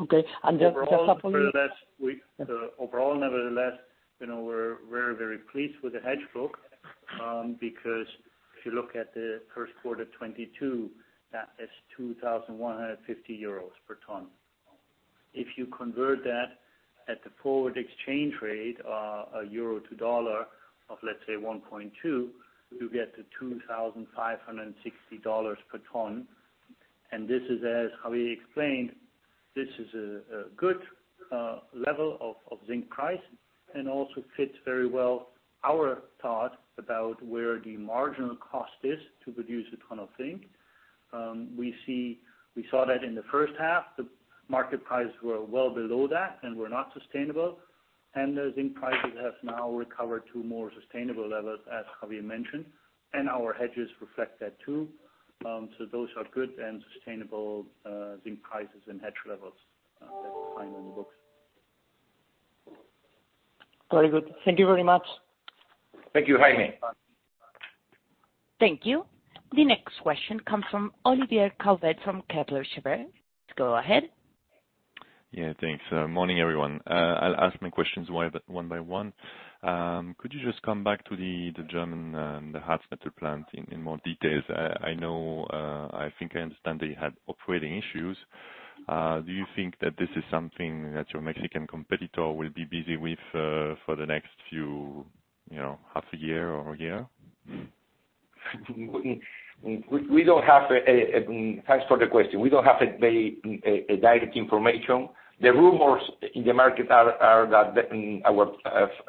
[SPEAKER 9] Okay.
[SPEAKER 4] Overall, nevertheless, we're very pleased with the hedge book, because if you look at the first quarter 2022, that is 2,150 euros per tons. If you convert that at the forward exchange rate, euro to dollar of, let's say, 1.2, you get to $2,560 per tons. This is, as Javier explained, this is a good level of zinc price and also fits very well our thought about where the marginal cost is to produce a tons of zinc. We saw that in the first half, the market prices were well below that and were not sustainable. The zinc prices have now recovered to more sustainable levels, as Javier mentioned, and our hedges reflect that, too. Those are good and sustainable zinc prices and hedge levels that we find on the books.
[SPEAKER 9] Very good. Thank you very much.
[SPEAKER 3] Thank you, Jaime.
[SPEAKER 1] Thank you. The next question comes from Olivier Calvet from Kepler Cheuvreux. Go ahead.
[SPEAKER 10] Yeah, thanks. Morning, everyone. I'll ask my questions one by one. Could you just come back to the German, the Harz-Metall plant in more details? I think I understand that you had operating issues. Do you think that this is something that your Mexican competitor will be busy with for the next half a year or a year?
[SPEAKER 3] Thanks for the question. We don't have very direct information. The rumors in the market are that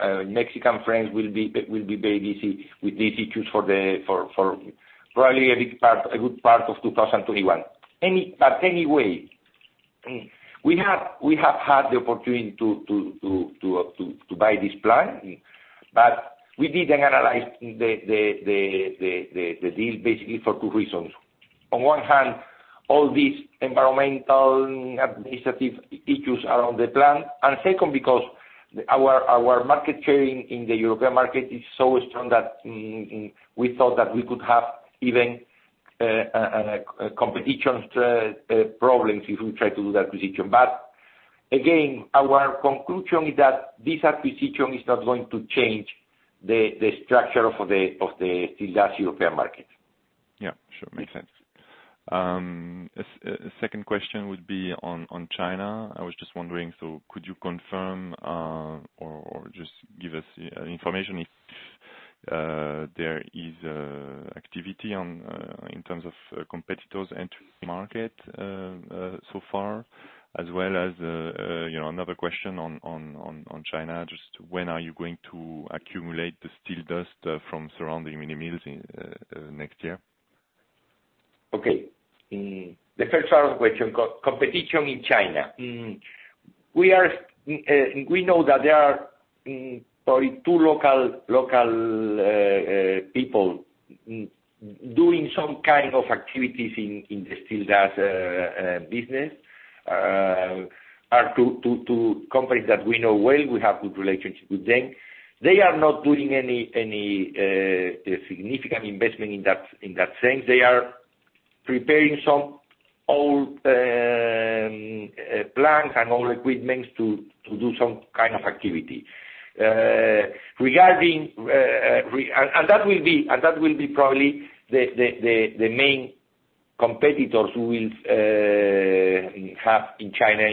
[SPEAKER 3] our Mexican friends will be very busy with these issues for probably a good part of 2021. Anyway, we have had the opportunity to buy this plant, but we didn't analyze the deal basically for two reasons. On one hand, all these environmental administrative issues around the plant, and second, because our market sharing in the European market is so strong that we thought that we could have even competition problems if we try to do the acquisition. Again, our conclusion is that this acquisition is not going to change the structure of the steel dust European market.
[SPEAKER 10] Yeah, sure. Makes sense. A second question would be on China. I was just wondering, could you confirm or just give us information if there is activity in terms of competitors entering the market so far, as well as another question on China, just when are you going to accumulate the steel dust from surrounding mini mills next year?
[SPEAKER 3] Okay. The first question, competition in China. We know that there are probably two local people doing some kind of activities in the steel dust business. They are two companies that we know well, we have good relationship with them. They are not doing any significant investment in that sense. They are preparing some old plants and old equipment to do some kind of activity. That will be probably the main competitors who will have in China,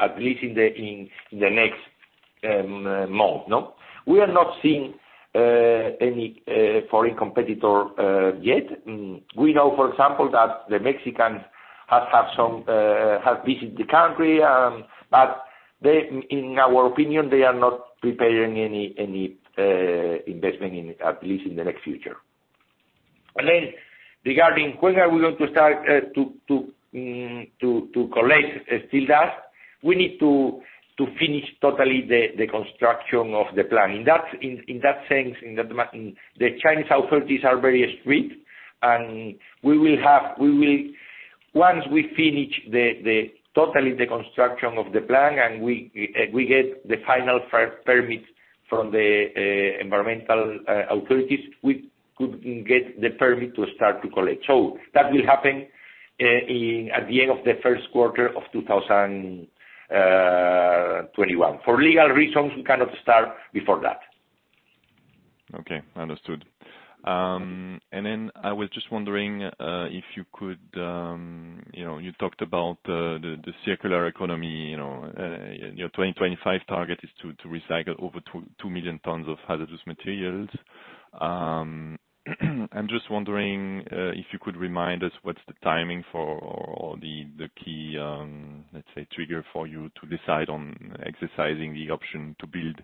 [SPEAKER 3] at least in the next month. We are not seeing any foreign competitor yet. We know, for example, that the Mexicans have visited the country, but in our opinion, they are not preparing any investment, at least in the near future. Regarding when are we going to start to collect steel dust, we need to finish totally the construction of the plant. In that sense, the Chinese authorities are very strict, and once we finish totally the construction of the plant and we get the final permit from the environmental authorities, we could get the permit to start to collect. That will happen at the end of the first quarter of 2021. For legal reasons, we cannot start before that.
[SPEAKER 10] Okay, understood. I was just wondering if you talked about the circular economy, your 2025 target is to recycle over 2 million tons of hazardous materials. I'm just wondering if you could remind us what's the timing for the key, let's say, trigger for you to decide on exercising the option to build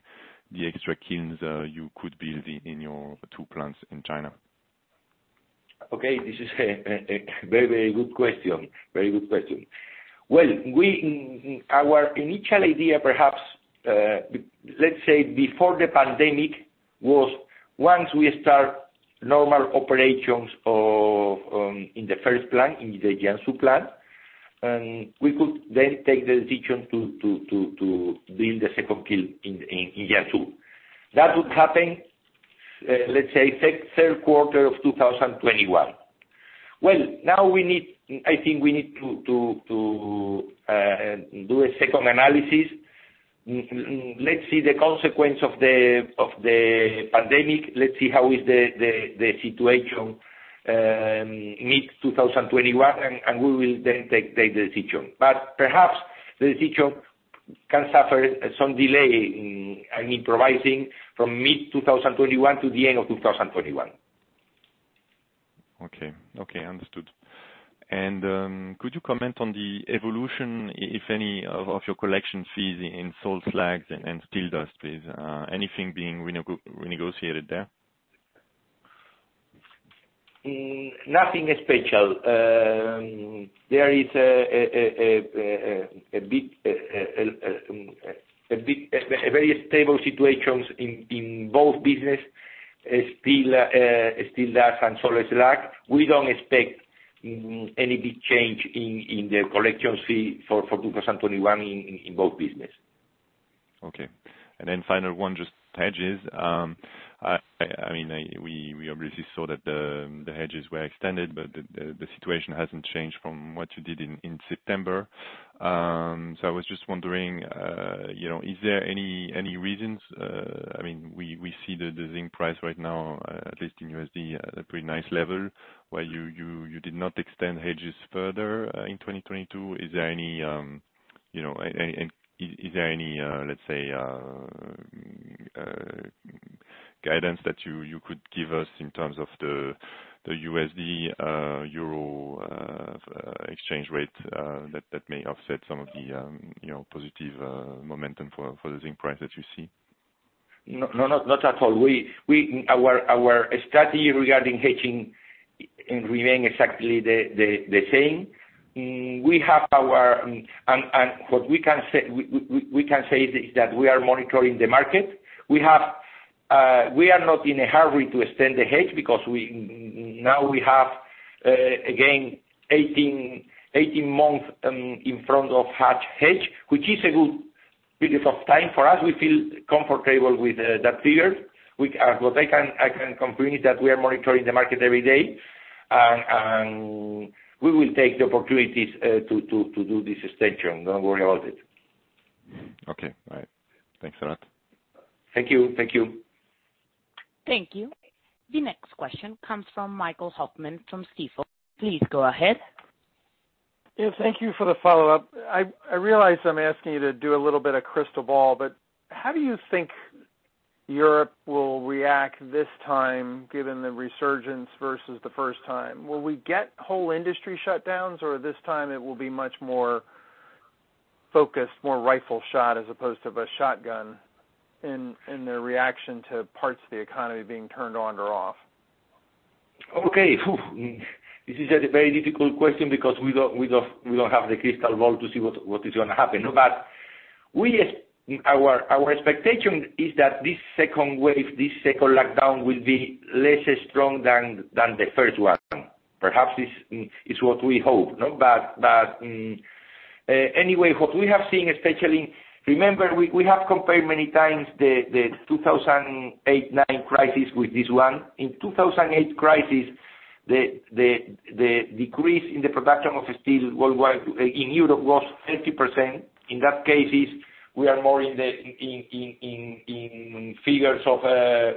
[SPEAKER 10] the extra kilns you could build in your two plants in China.
[SPEAKER 3] Okay. This is a very good question. Well, our initial idea perhaps, let's say before the pandemic, was once we start normal operations in the first plant, in the Jiangsu plant, we could then take the decision to build the second kiln in Jiangsu. That would happen, let's say, third quarter of 2021. Well, now I think we need to do a second analysis. Let's see the consequence of the pandemic. Let's see how is the situation mid-2021, and we will then take the decision. Perhaps the decision can suffer some delay, I'm improvising, from mid-2021 to the end of 2021.
[SPEAKER 10] Okay. Understood. Could you comment on the evolution, if any, of your collection fees in salt slags and steel dust, please? Anything being renegotiated there?
[SPEAKER 3] Nothing special. There is a very stable situation in both businesses, steel dust and salt slag. We don't expect any big change in the collection fee for 2021 in both businesses.
[SPEAKER 10] Okay. Then final one, just hedges. We obviously saw that the hedges were extended, but the situation hasn't changed from what you did in September. I was just wondering, is there any reasons, we see the zinc price right now, at least in USD, at a pretty nice level, why you did not extend hedges further in 2022? Is there any, let's say, guidance that you could give us in terms of the USD EUR exchange rate that may offset some of the positive momentum for the zinc price that you see?
[SPEAKER 3] No, not at all. Our strategy regarding hedging remain exactly the same. What we can say is that we are monitoring the market. We are not in a hurry to extend the hedge because now we have, again, 18 months in front of hedge, which is a good period of time for us. We feel comfortable with that period. What I can confirm is that we are monitoring the market every day. We will take the opportunities to do this extension. Don't worry about it.
[SPEAKER 10] Okay. All right. Thanks a lot.
[SPEAKER 3] Thank you.
[SPEAKER 1] Thank you. The next question comes from Michael Hoffman from Stifel. Please go ahead.
[SPEAKER 6] Yeah. Thank you for the follow-up. I realize I'm asking you to do a little bit of crystal ball, but how do you think Europe will react this time given the resurgence versus the first time? Will we get whole industry shutdowns, or this time it will be much more focused, more rifle shot as opposed to a shotgun in their reaction to parts of the economy being turned on or off?
[SPEAKER 3] Okay. Phew. This is a very difficult question because we don't have the crystal ball to see what is going to happen. Our expectation is that this second wave, this second lockdown will be less strong than the first one. Perhaps this is what we hope. Anyway, what we have seen especially, remember, we have compared many times the 2008, 2009 crisis with this one. In 2008 crisis, the decrease in the production of steel in Europe was 50%. In that case, we are more in figures of 18%,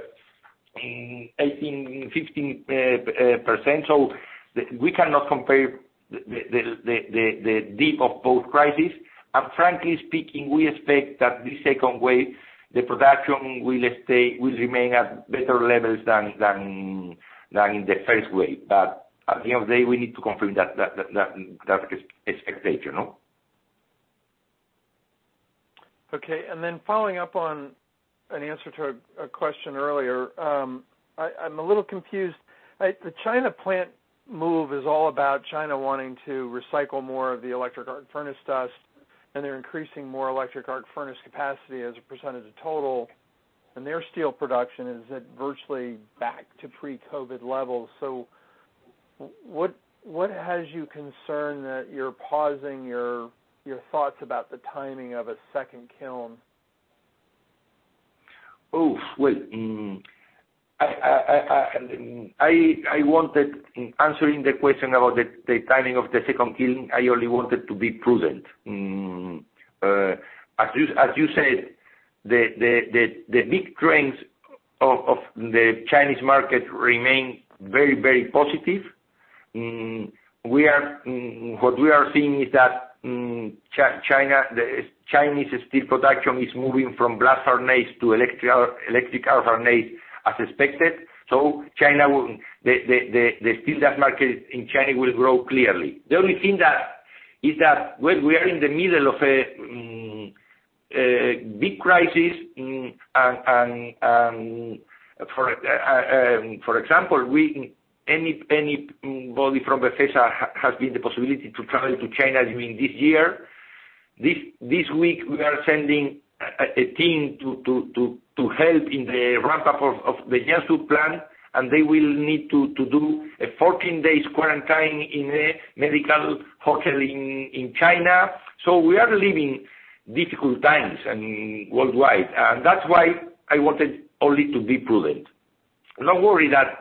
[SPEAKER 3] 15%. We cannot compare the depth of both crises. Frankly speaking, we expect that this second wave, the production will remain at better levels than in the first wave. At the end of the day, we need to confirm that expectation.
[SPEAKER 6] Okay, following up on an answer to a question earlier. I'm a little confused. The China plant move is all about China wanting to recycle more of the electric arc furnace dust, and they're increasing more electric arc furnace capacity as a percentage of total, and their steel production is at virtually back to pre-COVID levels. What has you concerned that you're pausing your thoughts about the timing of a second kiln?
[SPEAKER 3] Well, answering the question about the timing of the second kiln, I only wanted to be prudent. As you said, the big trends of the Chinese market remain very, very positive. What we are seeing is that Chinese steel production is moving from blast furnaces to electric arc furnaces as expected. The steel dust market in China will grow, clearly. The only thing is that, well, we are in the middle of a big crisis. For example, anybody from Befesa has been the possibility to travel to China during this year. This week, we are sending a team to help in the ramp-up of the Jiangsu plant, and they will need to do a 14-day quarantine in a medical hotel in China. We are living difficult times worldwide, and that's why I wanted only to be prudent. No worry that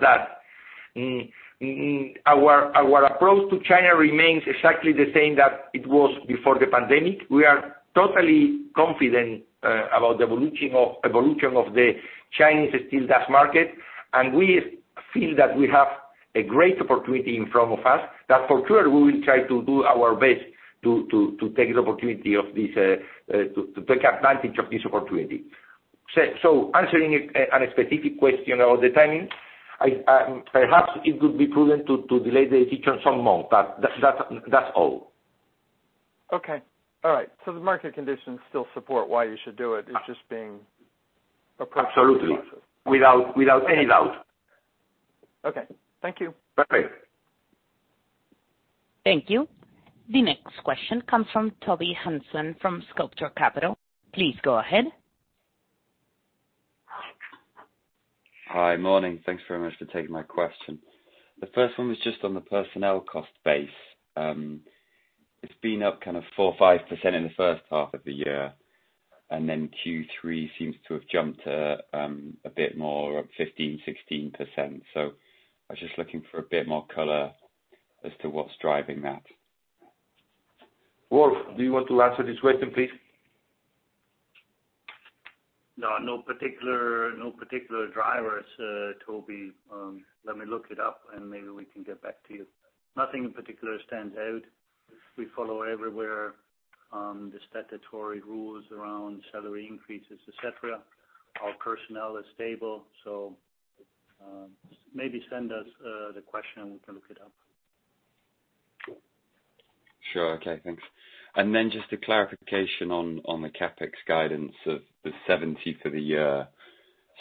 [SPEAKER 3] our approach to China remains exactly the same that it was before the pandemic. We are totally confident about the evolution of the Chinese steel dust market. We feel that we have a great opportunity in front of us that for sure we will try to do our best to take advantage of this opportunity. Answering a specific question about the timing, perhaps it would be prudent to delay the decision some more. That's all.
[SPEAKER 6] Okay. All right. The market conditions still support why you should do it. It is just an approach.
[SPEAKER 3] Absolutely. Without any doubt.
[SPEAKER 6] Okay. Thank you.
[SPEAKER 3] Perfect.
[SPEAKER 1] Thank you. The next question comes from Toby Hunston from Sculptor Capital. Please go ahead.
[SPEAKER 11] Hi. Morning. Thanks very much for taking my question. The first one was just on the personnel cost base. It has been up 4%, 5% in the first half of the year, and then Q3 seems to have jumped a bit more, up 15%, 16%. I was just looking for a bit more color as to what is driving that.
[SPEAKER 3] Wolf, do you want to answer this question, please?
[SPEAKER 4] No. No particular drivers, Toby. Let me look it up, and maybe we can get back to you. Nothing in particular stands out. We follow everywhere the statutory rules around salary increases, et cetera. Our personnel is stable. Maybe send us the question, and we can look it up.
[SPEAKER 11] Sure. Okay. Thanks. Just a clarification on the CapEx guidance of 70 for the year.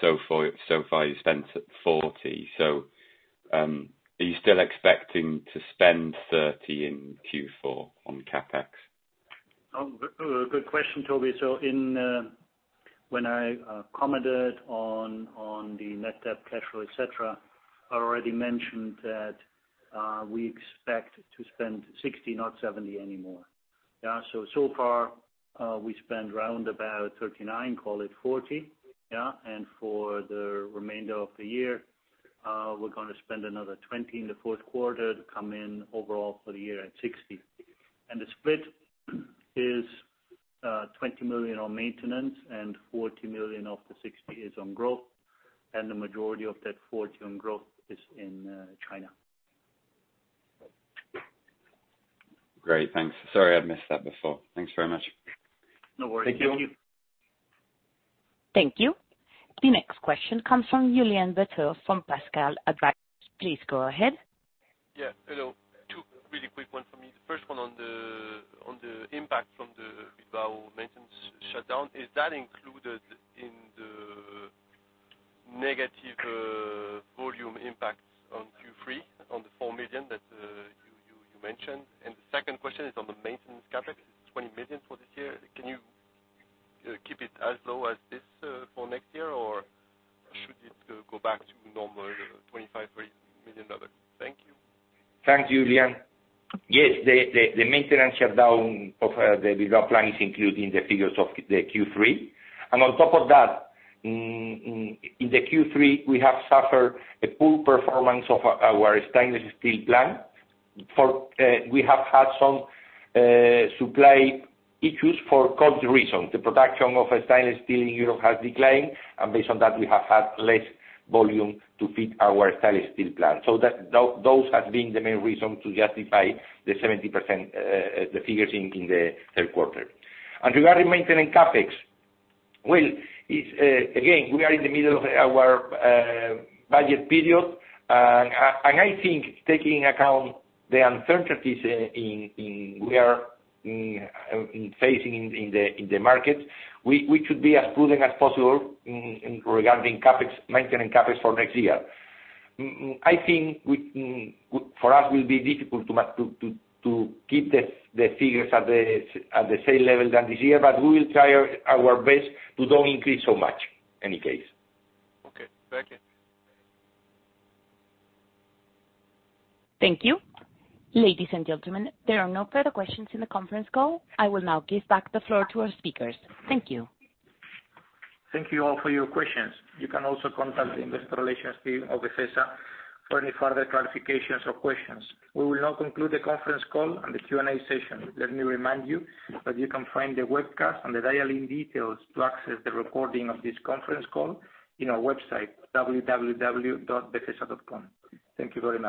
[SPEAKER 11] So far, you spent at 40. Are you still expecting to spend 30 in Q4 on CapEx?
[SPEAKER 4] Good question, Toby. When I commented on the net debt, cash flow, et cetera, I already mentioned that we expect to spend 60, not 70 anymore. Yeah. So far, we spent round about 39, call it 40. Yeah. For the remainder of the year, we're going to spend another 20 in the fourth quarter to come in overall for the year at 60. The split is 20 million on maintenance and 40 million of the 60 is on growth, and the majority of that 40 on growth is in China.
[SPEAKER 11] Great. Thanks. Sorry, I missed that before. Thanks very much.
[SPEAKER 4] No worries. Thank you.
[SPEAKER 3] Thank you.
[SPEAKER 1] Thank you. The next question comes from Julien Batteau from Pascal Advisors. Please go ahead.
[SPEAKER 12] Yeah. Hello. Two really quick one for me. The first one on the impact from the Bilbao maintenance shutdown. Is that included in the negative volume impacts on Q3, on the 4 million that you mentioned? The second question is on the maintenance CapEx. It's 20 million for this year. Can you keep it as low as this for next year, or should it go back to normal, 25 million, EUR 30 million? Thank you.
[SPEAKER 3] Thanks, Julien. Yes. The maintenance shutdown of the Bilbao plant is included in the figures of the Q3. On top of that, in the Q3, we have suffered a poor performance of our stainless steel plant, for we have had some supply issues for cost reasons. The production of stainless steel in Europe has declined, based on that, we have had less volume to feed our stainless steel plant. Those have been the main reason to justify the 70%, the figures in the third quarter. Regarding maintenance CapEx, well, again, we are in the middle of our budget period, and I think taking account the uncertainties we are facing in the market, we should be as prudent as possible regarding maintenance CapEx for next year.nI think for us, will be difficult to keep the figures at the same level than this year, but we will try our best to don't increase so much, any case.
[SPEAKER 12] Okay. Thank you.
[SPEAKER 1] Thank you. Ladies and gentlemen, there are no further questions in the conference call. I will now give back the floor to our speakers. Thank you.
[SPEAKER 2] Thank you all for your questions. You can also contact the investor relations team of Befesa for any further clarifications or questions. We will now conclude the conference call and the Q&A session. Let me remind you that you can find the webcast and the dial-in details to access the recording of this conference call in our website, www.befesa.com. Thank you very much